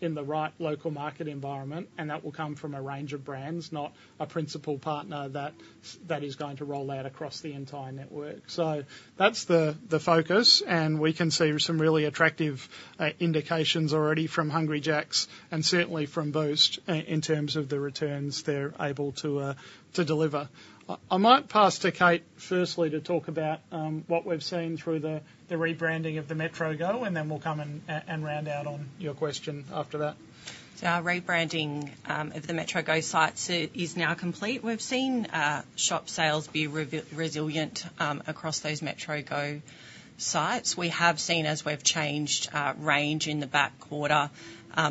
in the right local market environment, and that will come from a range of brands, not a principal partner that is going to roll out across the entire network. So that's the focus, and we can see some really attractive indications already from Hungry Jack's and certainly from Boost in terms of the returns they're able to deliver. I might pass to Kate, firstly, to talk about what we've seen through the rebranding of the MetroGo, and then we'll come and round out on your question after that. Our rebranding of the MetroGo sites is now complete. We've seen shop sales be resilient across those MetroGo sites. We have seen, as we've changed range in the back quarter,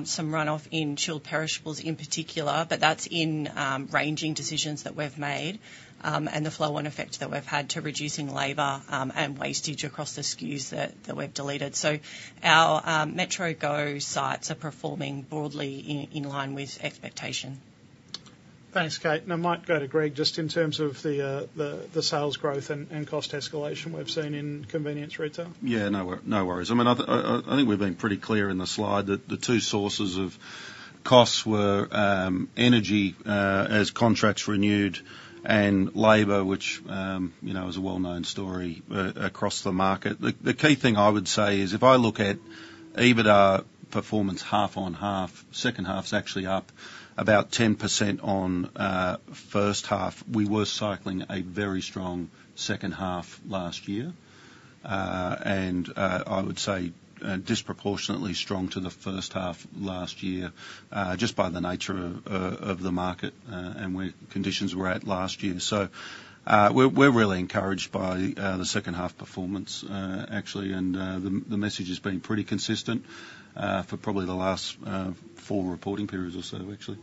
some runoff in chilled perishables in particular, but that's in ranging decisions that we've made and the flow-on effect that we've had to reducing labor and wastage across the SKUs that we've deleted. Our MetroGo sites are performing broadly in line with expectation. Thanks, Kate. Now, might go to Greg just in terms of the sales growth and cost escalation we've seen in convenience retail. Yeah, no worries. I mean, I think we've been pretty clear in the slide that the two sources of costs were energy as contracts renewed and labor, which is a well-known story across the market. The key thing I would say is if I look at EBITDA performance half on half, second half's actually up about 10% on first half. We were cycling a very strong second half last year, and I would say disproportionately strong to the first half last year just by the nature of the market and where conditions were at last year. So we're really encouraged by the second half performance, actually, and the message has been pretty consistent for probably the last four reporting periods or so, actually.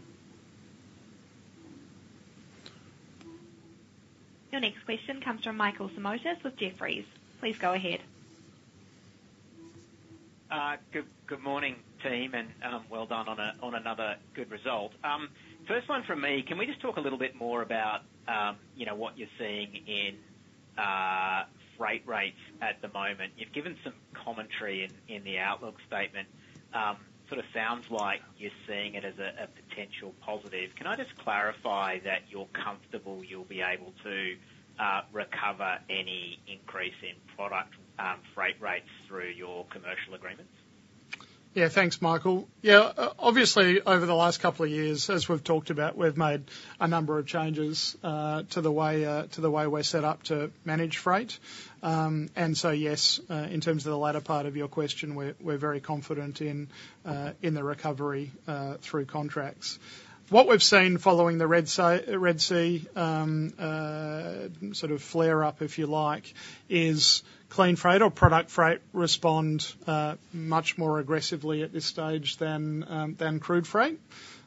Your next question comes from Michael Simotas with Jefferies. Please go ahead. Good morning, team, and well done on another good result. First one from me. Can we just talk a little bit more about what you're seeing in freight rates at the moment? You've given some commentary in the outlook statement. Sort of sounds like you're seeing it as a potential positive. Can I just clarify that you're comfortable you'll be able to recover any increase in product freight rates through your commercial agreements? Yeah, thanks, Michael. Yeah, obviously, over the last couple of years, as we've talked about, we've made a number of changes to the way we're set up to manage freight. So, yes, in terms of the latter part of your question, we're very confident in the recovery through contracts. What we've seen following the Red Sea sort of flare-up, if you like, is clean freight or product freight respond much more aggressively at this stage than crude freight.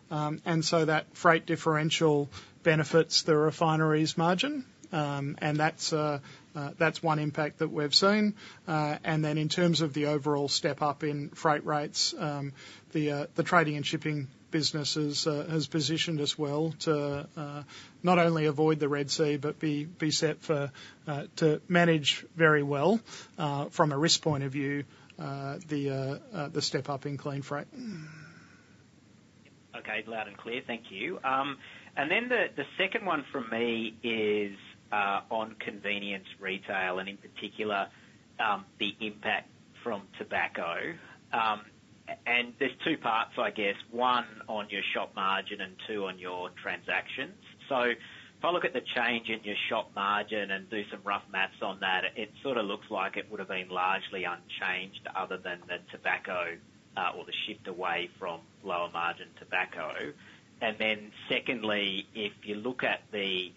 So that freight differential benefits the refineries' margin, and that's one impact that we've seen. Then in terms of the overall step-up in freight rates, the trading and shipping business has positioned as well to not only avoid the Red Sea but be set to manage very well from a risk point of view the step-up in clean freight. Okay, loud and clear. Thank you. And then the second one from me is on convenience retail and, in particular, the impact from tobacco. And there's two parts, I guess, one on your shop margin and two on your transactions. So if I look at the change in your shop margin and do some rough math on that, it sort of looks like it would have been largely unchanged other than the tobacco or the shift away from lower-margin tobacco. And then secondly, if you look at the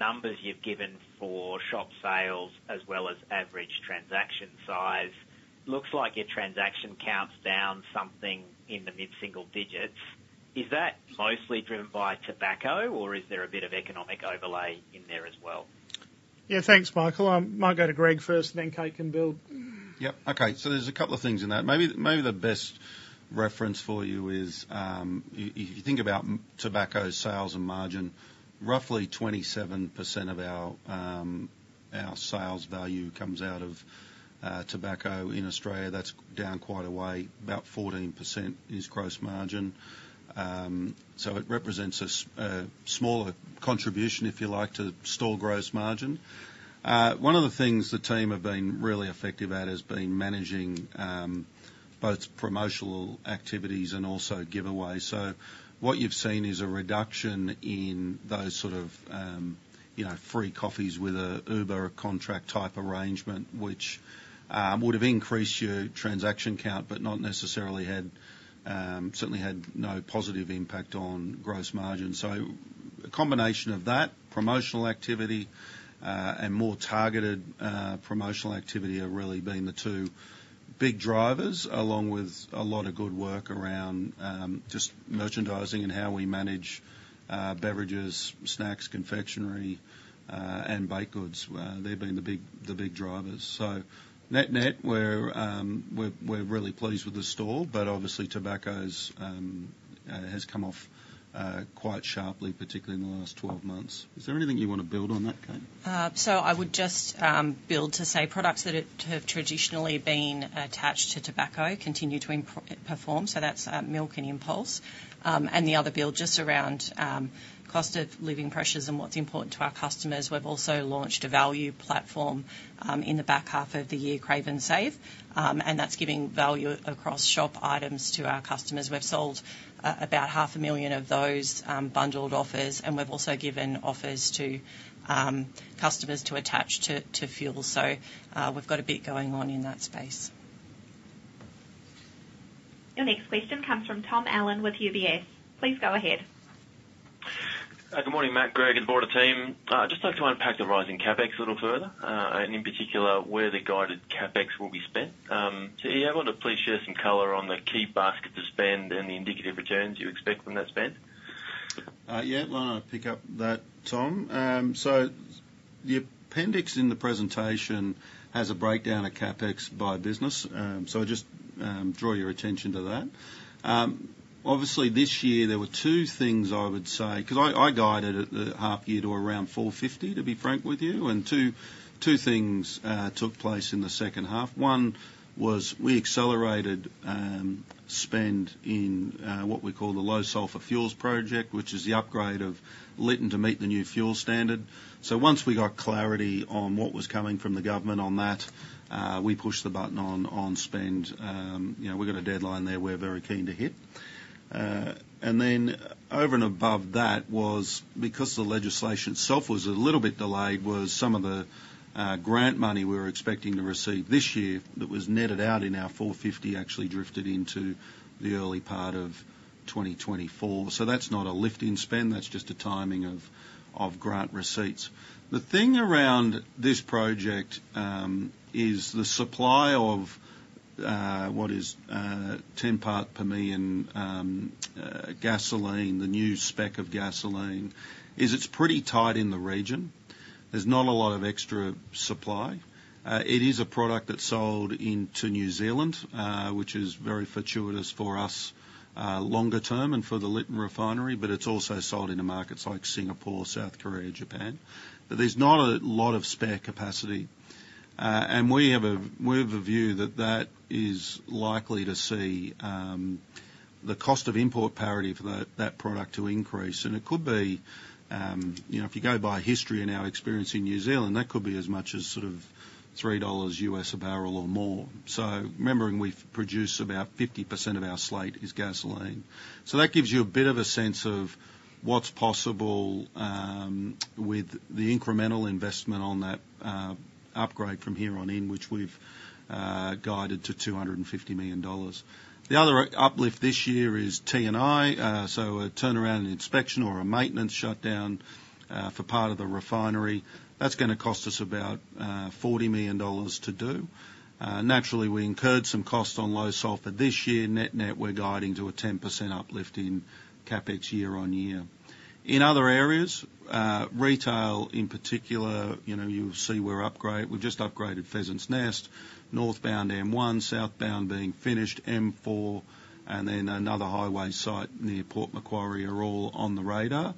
numbers you've given for shop sales as well as average transaction size, it looks like your transaction counts down something in the mid-single digits. Is that mostly driven by tobacco, or is there a bit of economic overlay in there as well? Yeah, thanks, Michael. I might go to Greg first, and then Kate can build. Yeah, okay. So there's a couple of things in that. Maybe the best reference for you is if you think about tobacco sales and margin, roughly 27% of our sales value comes out of tobacco in Australia. That's down quite a way. About 14% is gross margin. So it represents a smaller contribution, if you like, to store gross margin. One of the things the team have been really effective at has been managing both promotional activities and also giveaways. So what you've seen is a reduction in those sort of free coffees with an Uber contract-type arrangement, which would have increased your transaction count but not necessarily certainly had no positive impact on gross margin. So a combination of that, promotional activity, and more targeted promotional activity have really been the two big drivers along with a lot of good work around just merchandising and how we manage beverages, snacks, confectionery, and baked goods. They've been the big drivers. So net-net, we're really pleased with the store, but obviously, tobacco has come off quite sharply, particularly in the last 12 months. Is there anything you want to build on that, Kate? I would just build to say products that have traditionally been attached to tobacco continue to perform. That's milk and impulse. The other build is just around cost of living pressures and what's important to our customers. We've also launched a value platform in the back half of the year, Crave 'N Save, and that's giving value across shop items to our customers. We've sold about 500,000 of those bundled offers, and we've also given offers to customers to attach to fuel. We've got a bit going on in that space. Your next question comes from Tom Allen with UBS. Please go ahead. Good morning, Matt. Greg, on board the team. I'd just like to unpack the rising CapEx a little further and, in particular, where the guided CapEx will be spent. So are you able to please share some color on the key baskets of spend and the indicative returns you expect from that spend? Yeah, I'll pick up that, Tom. So the appendix in the presentation has a breakdown of CapEx by business, so I just draw your attention to that. Obviously, this year, there were two things I would say because I guided at the half-year to around 450, to be frank with you, and two things took place in the second half. One was we accelerated spend in what we call the Low-Sulfur Fuels project, which is the upgrade of Lytton to meet the new fuel standard. So once we got clarity on what was coming from the government on that, we pushed the button on spend. We've got a deadline there we're very keen to hit. Then over and above that was because the legislation itself was a little bit delayed was some of the grant money we were expecting to receive this year that was netted out in our 450 actually drifted into the early part of 2024. So that's not a lift-in spend. That's just a timing of grant receipts. The thing around this project is the supply of what is 10 parts per million gasoline, the new spec of gasoline, is it's pretty tight in the region. There's not a lot of extra supply. It is a product that's sold into New Zealand, which is very fortuitous for us longer-term and for the Lytton Refinery, but it's also sold into markets like Singapore, South Korea, Japan. But there's not a lot of spare capacity. We have a view that that is likely to see the cost of import parity for that product to increase. It could be if you go by history and our experience in New Zealand, that could be as much as sort of $3 a barrel or more. Remembering, we produce about 50% of our slate is gasoline. That gives you a bit of a sense of what's possible with the incremental investment on that upgrade from here on in, which we've guided to 250 million dollars. The other uplift this year is T&I, so a turnaround inspection or a maintenance shutdown for part of the refinery. That's going to cost us about 40 million dollars to do. Naturally, we incurred some cost on low sulfur this year. Net-net, we're guiding to a 10% uplift in CAPEX year-over-year. In other areas, retail in particular, you'll see we're upgraded. We've just upgraded Pheasants Nest, northbound M1, southbound being finished, M4, and then another highway site near Port Macquarie are all on the radar.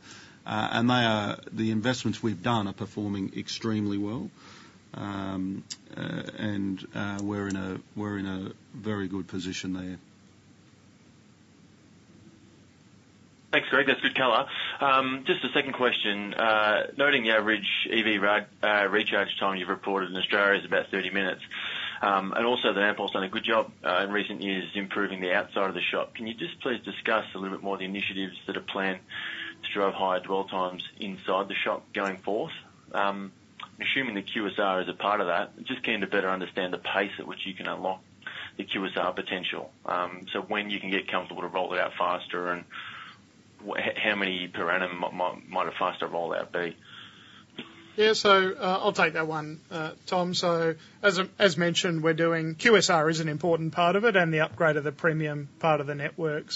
The investments we've done are performing extremely well, and we're in a very good position there. Thanks, Greg. That's good color. Just a second question. Noting the average EV recharge time you've reported in Australia is about 30 minutes and also that Ampol's done a good job in recent years improving the outside of the shop, can you just please discuss a little bit more the initiatives that are planned to drive higher dwell times inside the shop going forth? I'm assuming the QSR is a part of that. I'm just keen to better understand the pace at which you can unlock the QSR potential, so when you can get comfortable to roll it out faster and how many per annum might a faster rollout be? Yeah, so I'll take that one, Tom. As mentioned, QSR is an important part of it and the upgrade of the premium part of the network.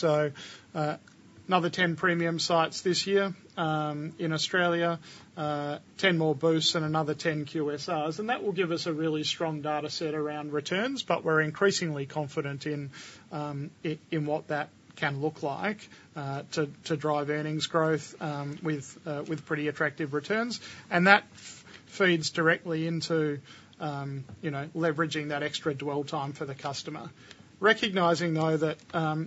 Another 10 premium sites this year in Australia, 10 more booths, and another 10 QSRs. That will give us a really strong dataset around returns, but we're increasingly confident in what that can look like to drive earnings growth with pretty attractive returns. That feeds directly into leveraging that extra dwell time for the customer. Recognizing, though, that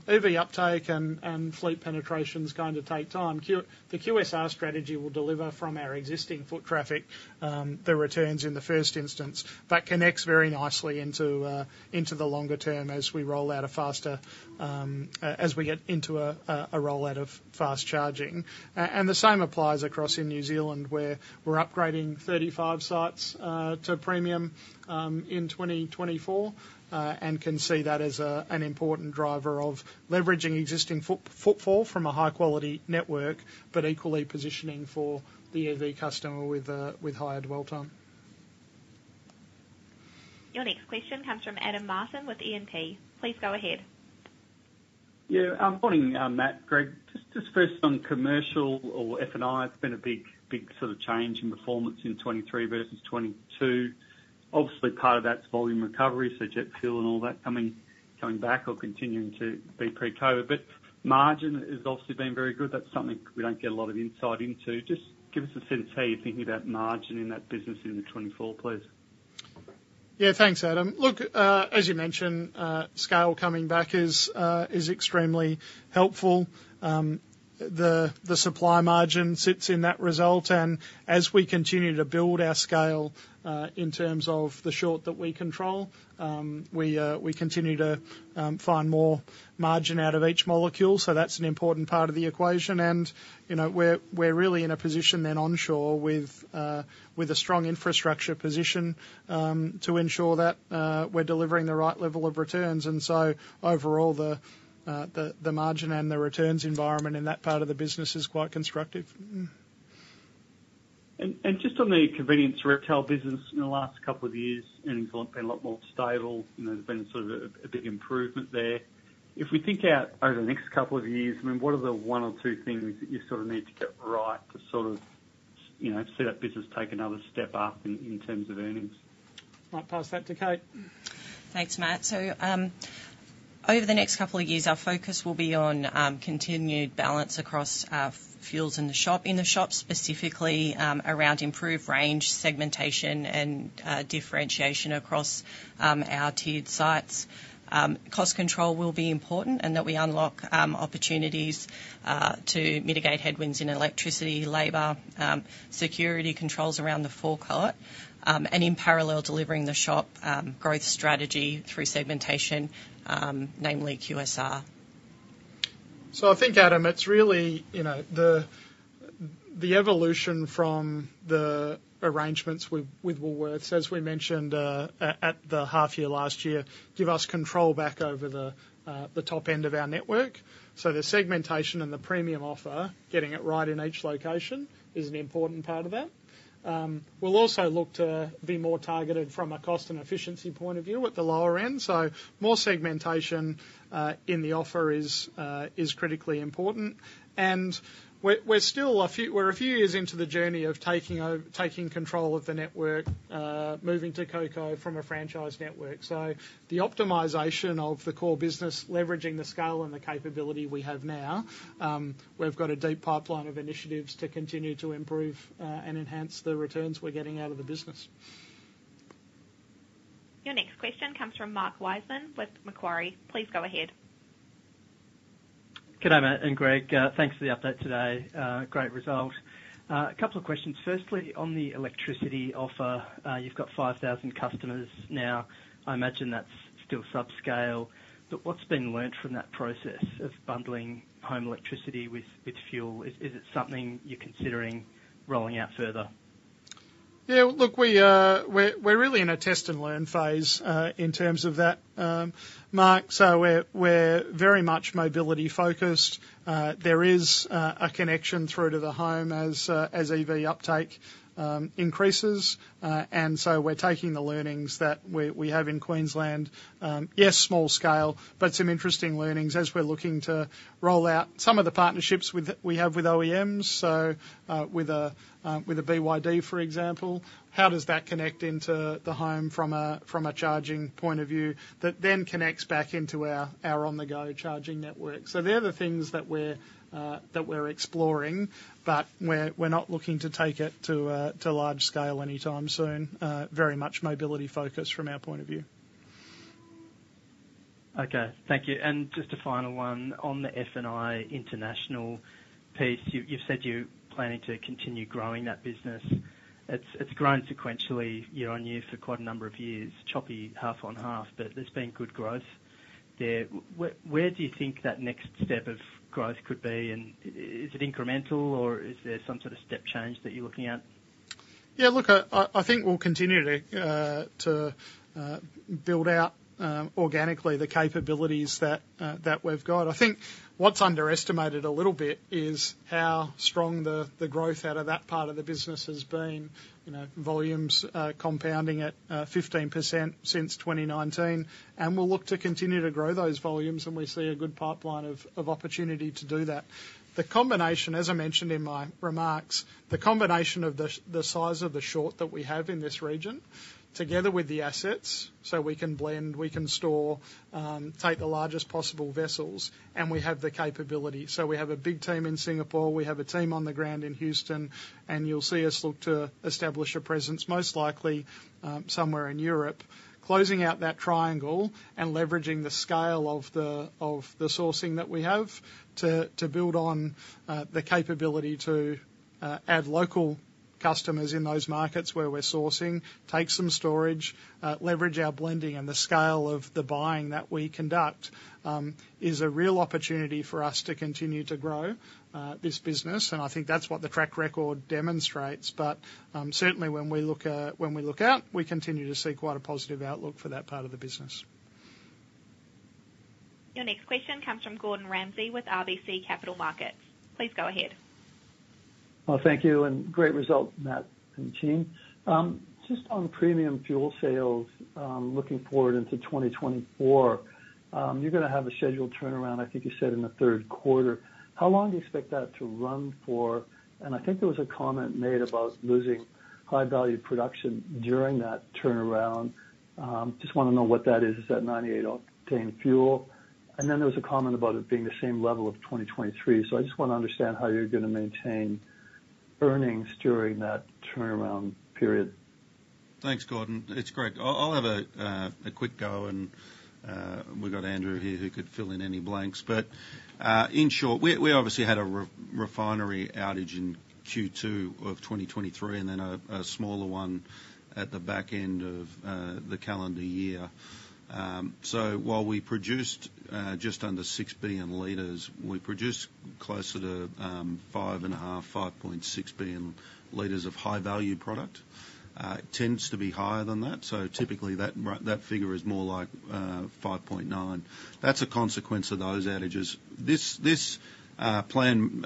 EV uptake and fleet penetration's going to take time, the QSR strategy will deliver from our existing foot traffic the returns in the first instance. That connects very nicely into the longer term as we roll out a faster as we get into a rollout of fast charging. The same applies across in New Zealand, where we're upgrading 35 sites to premium in 2024 and can see that as an important driver of leveraging existing footfall from a high-quality network but equally positioning for the EV customer with higher dwell time. Your next question comes from Adam Martin with E&P. Please go ahead. Yeah, good morning, Matt. Greg, just first on commercial or F&I. It's been a big sort of change in performance in 2023 versus 2022. Obviously, part of that's volume recovery, so jet fuel and all that coming back or continuing to be pre-COVID. But margin has obviously been very good. That's something we don't get a lot of insight into. Just give us a sense how you're thinking about margin in that business in 2024, please. Yeah, thanks, Adam. Look, as you mentioned, scale coming back is extremely helpful. The supply margin sits in that result. And as we continue to build our scale in terms of the short that we control, we continue to find more margin out of each molecule. So that's an important part of the equation. And we're really in a position then onshore with a strong infrastructure position to ensure that we're delivering the right level of returns. And so overall, the margin and the returns environment in that part of the business is quite constructive. Just on the convenience retail business in the last couple of years, and it's been a lot more stable. There's been sort of a big improvement there. If we think out over the next couple of years, I mean, what are the one or two things that you sort of need to get right to sort of see that business take another step up in terms of earnings? Might pass that to Kate. Thanks, Matt. So over the next couple of years, our focus will be on continued balance across fuels in the shop, in the shop specifically around improved range, segmentation, and differentiation across our tiered sites. Cost control will be important and that we unlock opportunities to mitigate headwinds in electricity, labor, security controls around the forecourt, and in parallel, delivering the shop growth strategy through segmentation, namely QSR. So I think, Adam, it's really the evolution from the arrangements with Woolworths, as we mentioned at the half-year last year, give us control back over the top end of our network. The segmentation and the premium offer, getting it right in each location, is an important part of that. We'll also look to be more targeted from a cost and efficiency point of view at the lower end. More segmentation in the offer is critically important. We're a few years into the journey of taking control of the network, moving to COCO from a franchise network. The optimization of the core business, leveraging the scale and the capability we have now, we've got a deep pipeline of initiatives to continue to improve and enhance the returns we're getting out of the business. Your next question comes from Mark Wiseman with Macquarie. Please go ahead. Good day, Matt. And Greg, thanks for the update today. Great result. A couple of questions. Firstly, on the electricity offer, you've got 5,000 customers now. I imagine that's still subscale. What's been learned from that process of bundling home electricity with fuel? Is it something you're considering rolling out further? Yeah, look, we're really in a test-and-learn phase in terms of that, Mark. So we're very much mobility-focused. There is a connection through to the home as EV uptake increases. And so we're taking the learnings that we have in Queensland. Yes, small scale, but some interesting learnings as we're looking to roll out some of the partnerships we have with OEMs, so with a BYD, for example. How does that connect into the home from a charging point of view that then connects back into our on-the-go charging network? So they're the things that we're exploring, but we're not looking to take it to large scale anytime soon. Very much mobility-focused from our point of view. Okay. Thank you. Just a final one. On the F&I international piece, you've said you're planning to continue growing that business. It's grown sequentially year on year for quite a number of years, choppy half-on-half, but there's been good growth there. Where do you think that next step of growth could be? And is it incremental, or is there some sort of step change that you're looking at? Yeah, look, I think we'll continue to build out organically the capabilities that we've got. I think what's underestimated a little bit is how strong the growth out of that part of the business has been, volumes compounding at 15% since 2019. And we'll look to continue to grow those volumes when we see a good pipeline of opportunity to do that. The combination, as I mentioned in my remarks, the combination of the size of the short that we have in this region together with the assets so we can blend, we can store, take the largest possible vessels, and we have the capability. So we have a big team in Singapore. We have a team on the ground in Houston. You'll see us look to establish a presence most likely somewhere in Europe, closing out that triangle and leveraging the scale of the sourcing that we have to build on the capability to add local customers in those markets where we're sourcing, take some storage, leverage our blending. The scale of the buying that we conduct is a real opportunity for us to continue to grow this business. I think that's what the track record demonstrates. Certainly, when we look out, we continue to see quite a positive outlook for that part of the business. Your next question comes from Gordon Ramsay with RBC Capital Markets. Please go ahead. Well, thank you. And great result, Matt and tean. Just on premium fuel sales, looking forward into 2024, you're going to have a scheduled turnaround, I think you said, in the third quarter. How long do you expect that to run for? And I think there was a comment made about losing high-value production during that turnaround. Just want to know what that is. Is that 98 octane fuel? And then there was a comment about it being the same level of 2023. So I just want to understand how you're going to maintain earnings during that turnaround period. Thanks, Gordon. It's Greg. I'll have a quick go, and we've got Andrew here who could fill in any blanks. But in short, we obviously had a refinery outage in Q2 of 2023 and then a smaller one at the back end of the calendar year. So while we produced just under 6 billion liters, we produced closer to 5.5, 5.6 billion liters of high-value product. It tends to be higher than that. So typically, that figure is more like 5.9. That's a consequence of those outages. This planned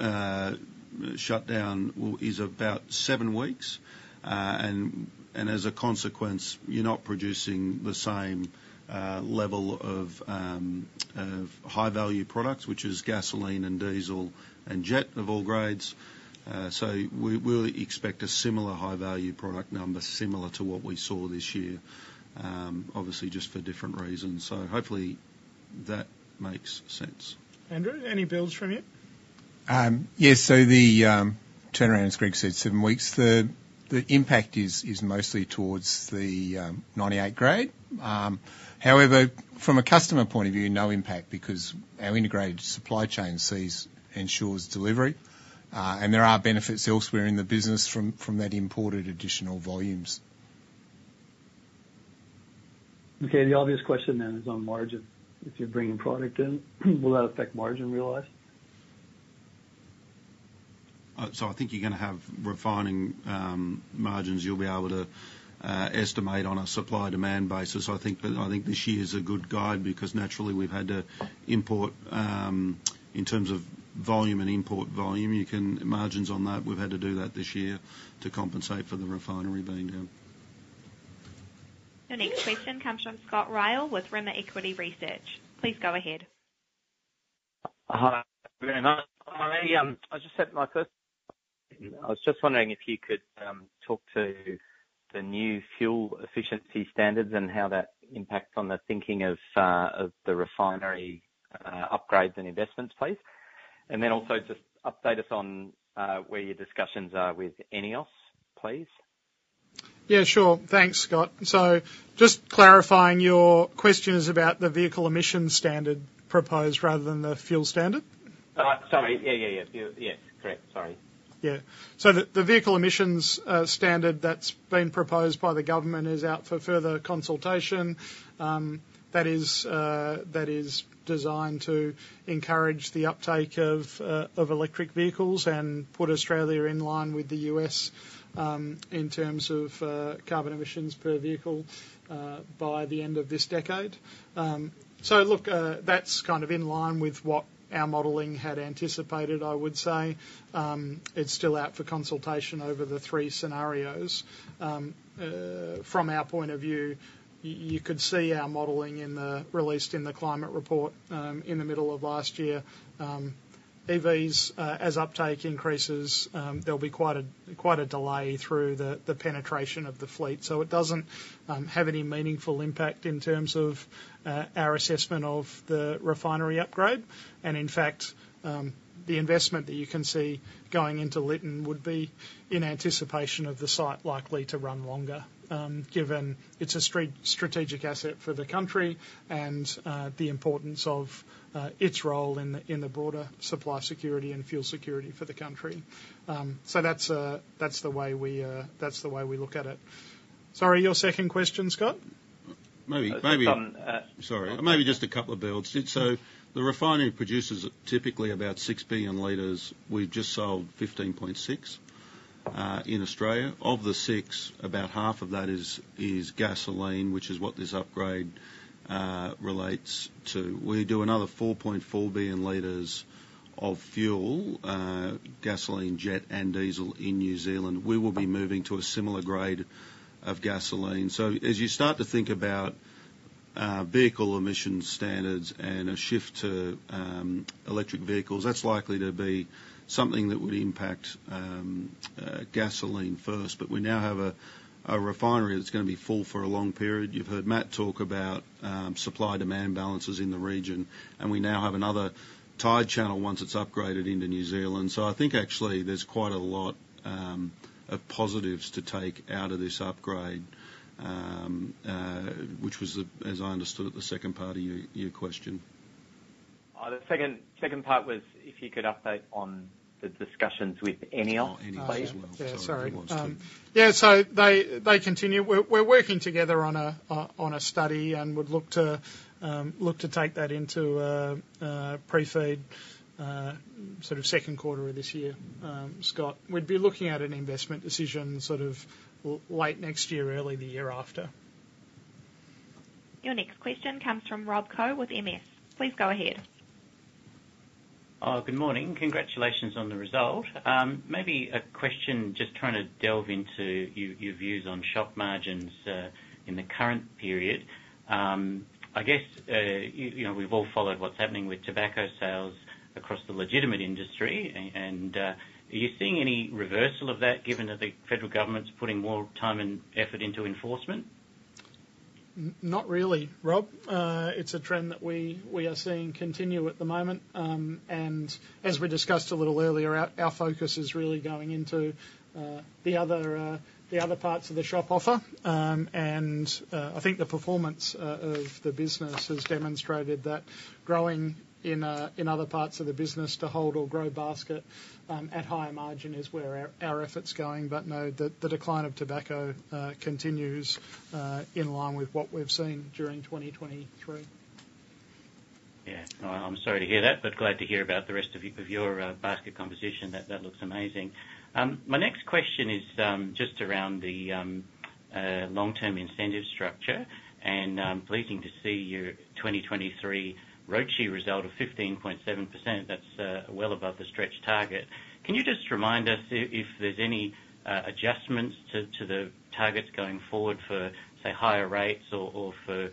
shutdown is about 7 weeks. And as a consequence, you're not producing the same level of high-value products, which is gasoline and diesel and jet of all grades. So we'll expect a similar high-value product number, similar to what we saw this year, obviously just for different reasons. So hopefully, that makes sense. Andrew, any builds from you? Yes. So the turnaround, as Greg said, 7 weeks, the impact is mostly towards the 98 grade. However, from a customer point of view, no impact because our integrated supply chain ensures delivery. There are benefits elsewhere in the business from that imported additional volumes. Okay. The obvious question then is on margin. If you're bringing product in, will that affect margin, realized? I think you're going to have refining margins you'll be able to estimate on a supply-demand basis. I think this year's a good guide because naturally, we've had to import in terms of volume and import volume. Margins on that, we've had to do that this year to compensate for the refinery being down. Your next question comes from Scott Ryall with Rimor Equity Research. Please go ahead. Hi. Good morning, Matt. As you said. I was just wondering if you could talk to the new fuel efficiency standards and how that impacts on the thinking of the refinery upgrades and investments, please. And then also just update us on where your discussions are with ENEOS, please. Yeah, sure. Thanks, Scott. So just clarifying, your question is about the vehicle emissions standard proposed rather than the fuel standard? Sorry. Yeah, yeah, yeah. Yes, correct. Sorry. Yeah. So the vehicle emissions standard that's been proposed by the government is out for further consultation. That is designed to encourage the uptake of electric vehicles and put Australia in line with the U.S. in terms of carbon emissions per vehicle by the end of this decade. So look, that's kind of in line with what our modelling had anticipated, I would say. It's still out for consultation over the three scenarios. From our point of view, you could see our modelling released in the climate report in the middle of last year. EVs, as uptake increases, there'll be quite a delay through the penetration of the fleet. So it doesn't have any meaningful impact in terms of our assessment of the refinery upgrade. In fact, the investment that you can see going into Lytton would be, in anticipation of the site likely to run longer given it's a strategic asset for the country and the importance of its role in the broader supply security and fuel security for the country. That's the way we look at it. Sorry, your second question, Scott? Maybe. I'm sorry. Sorry. Maybe just a couple of builds. So the refinery produces typically about 6 billion liters. We've just sold 15.6 in Australia. Of the six, about half of that is gasoline, which is what this upgrade relates to. We do another 4.4 billion liters of fuel, gasoline, jet, and diesel in New Zealand. We will be moving to a similar grade of gasoline. So as you start to think about vehicle emissions standards and a shift to electric vehicles, that's likely to be something that would impact gasoline first. But we now have a refinery that's going to be full for a long period. You've heard Matt talk about supply-demand balances in the region. And we now have another tide channel once it's upgraded into New Zealand. I think actually, there's quite a lot of positives to take out of this upgrade, which was, as I understood, the second part of your question. The second part was if you could apply with ENEOS, please. Yeah. So they continue. We're working together on a study and would look to take that into pre-feed sort of second quarter of this year, Scott. We'd be looking at an investment decision sort of late next year, early the year after. Your next question comes from Rob Koh with MS. Please go ahead. Good morning. Congratulations on the result. Maybe a question just trying to delve into your views on shop margins in the current period. I guess we've all followed what's happening with tobacco sales across the legitimate industry. Are you seeing any reversal of that given that the federal government's putting more time and effort into enforcement? Not really, Rob. It's a trend that we are seeing continue at the moment. And as we discussed a little earlier, our focus is really going into the other parts of the shop offer. And I think the performance of the business has demonstrated that growing in other parts of the business to hold or grow basket at higher margin is where our effort's going. But no, the decline of tobacco continues in line with what we've seen during 2023. Yeah. No, I'm sorry to hear that, but glad to hear about the rest of your basket composition. That looks amazing. My next question is just around the long-term incentive structure. And pleasing to see your 2023 ROCE result of 15.7%. That's well above the stretch target. Can you just remind us if there's any adjustments to the targets going forward for, say, higher rates or for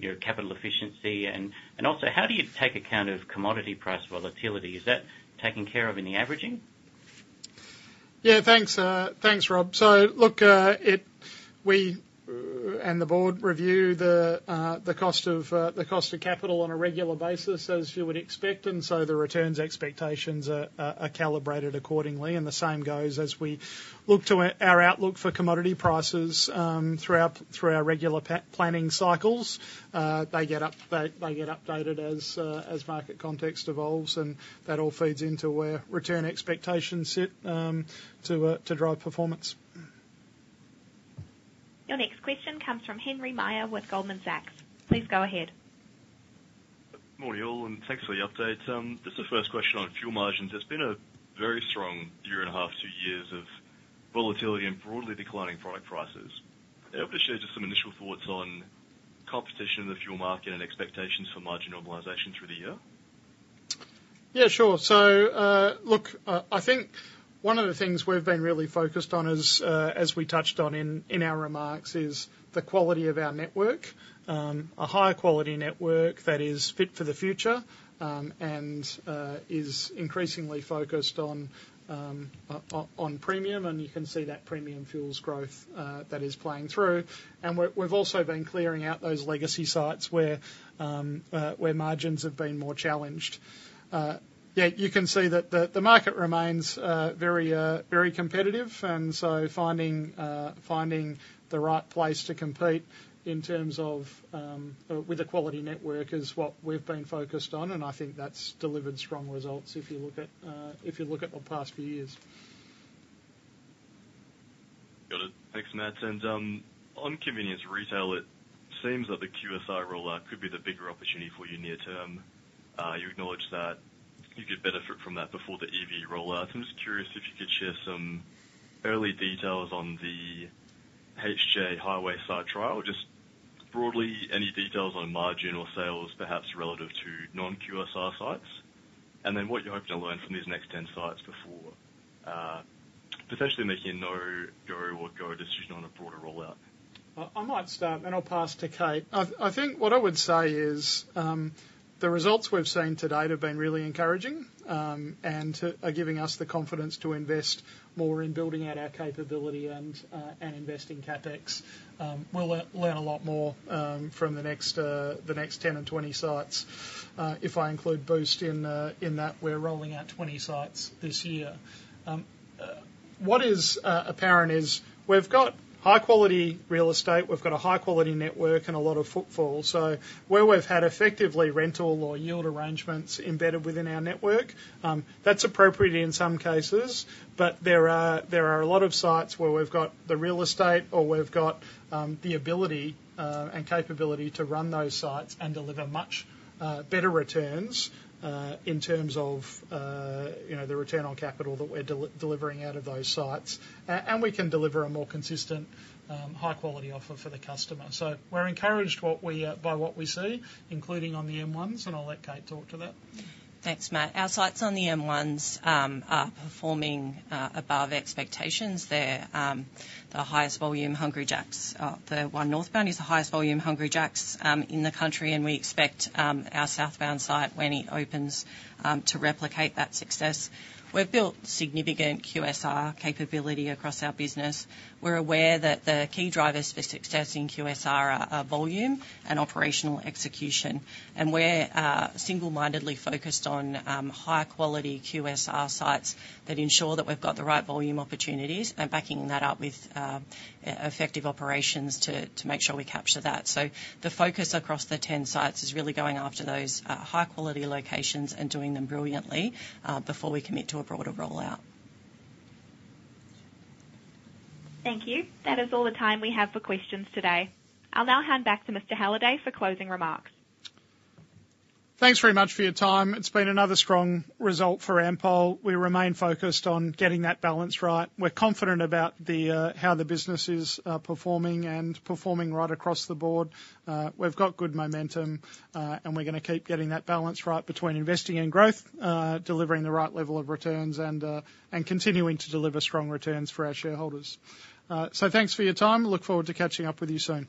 your capital efficiency? And also, how do you take account of commodity price volatility? Is that taken care of in the averaging? Yeah, thanks. Thanks, Rob. So look, we and the board review the cost of capital on a regular basis as you would expect. And so the returns expectations are calibrated accordingly. And the same goes as we look to our outlook for commodity prices through our regular planning cycles. They get updated as market context evolves. And that all feeds into where return expectations sit to drive performance. Your next question comes from Henry Meyer with Goldman Sachs. Please go ahead. Morning, all. Thanks for the update. Just a first question on fuel margins. There's been a very strong year and a half, two years of volatility and broadly declining product prices. Are you able to share just some initial thoughts on competition in the fuel market and expectations for margin normalization through the year? Yeah, sure. So look, I think one of the things we've been really focused on, as we touched on in our remarks, is the quality of our network, a higher-quality network that is fit for the future and is increasingly focused on premium. And you can see that premium fuels growth that is playing through. And we've also been clearing out those legacy sites where margins have been more challenged. Yeah, you can see that the market remains very competitive. And so finding the right place to compete in terms of with a quality network is what we've been focused on. And I think that's delivered strong results if you look at the past few years. Got it. Thanks, Matt. On convenience retail, it seems that the QSR rollout could be the bigger opportunity for you near term. You acknowledged that you could benefit from that before the EV rollout. I'm just curious if you could share some early details on the HJ Highway site trial or just broadly any details on margin or sales, perhaps relative to non-QSR sites and then what you're hoping to learn from these next 10 sites before potentially making no go or go decision on a broader rollout? I might start, and I'll pass to Kate. I think what I would say is the results we've seen to date have been really encouraging and are giving us the confidence to invest more in building out our capability and invest in CapEx. We'll learn a lot more from the next 10 and 20 sites if I include Boost in that. We're rolling out 20 sites this year. What is apparent is we've got high-quality real estate. We've got a high-quality network and a lot of footfall. So where we've had effectively rental or yield arrangements embedded within our network, that's appropriate in some cases. But there are a lot of sites where we've got the real estate or we've got the ability and capability to run those sites and deliver much better returns in terms of the return on capital that we're delivering out of those sites. And we can deliver a more consistent, high-quality offer for the customer. So we're encouraged by what we see, including on the M1s. And I'll let Kate talk to that. Thanks, Matt. Our sites on the M1s are performing above expectations. They're the highest volume Hungry Jack's. The one northbound is the highest volume Hungry Jack's in the country. We expect our southbound site, when it opens, to replicate that success. We've built significant QSR capability across our business. We're aware that the key drivers for success in QSR are volume and operational execution. We're single-mindedly focused on higher-quality QSR sites that ensure that we've got the right volume opportunities and backing that up with effective operations to make sure we capture that. The focus across the 10 sites is really going after those high-quality locations and doing them brilliantly before we commit to a broader rollout. Thank you. That is all the time we have for questions today. I'll now hand back to Mr. Halliday for closing remarks. Thanks very much for your time. It's been another strong result for Ampol. We remain focused on getting that balance right. We're confident about how the business is performing and performing right across the board. We've got good momentum. We're going to keep getting that balance right between investing and growth, delivering the right level of returns, and continuing to deliver strong returns for our shareholders. Thanks for your time. Look forward to catching up with you soon.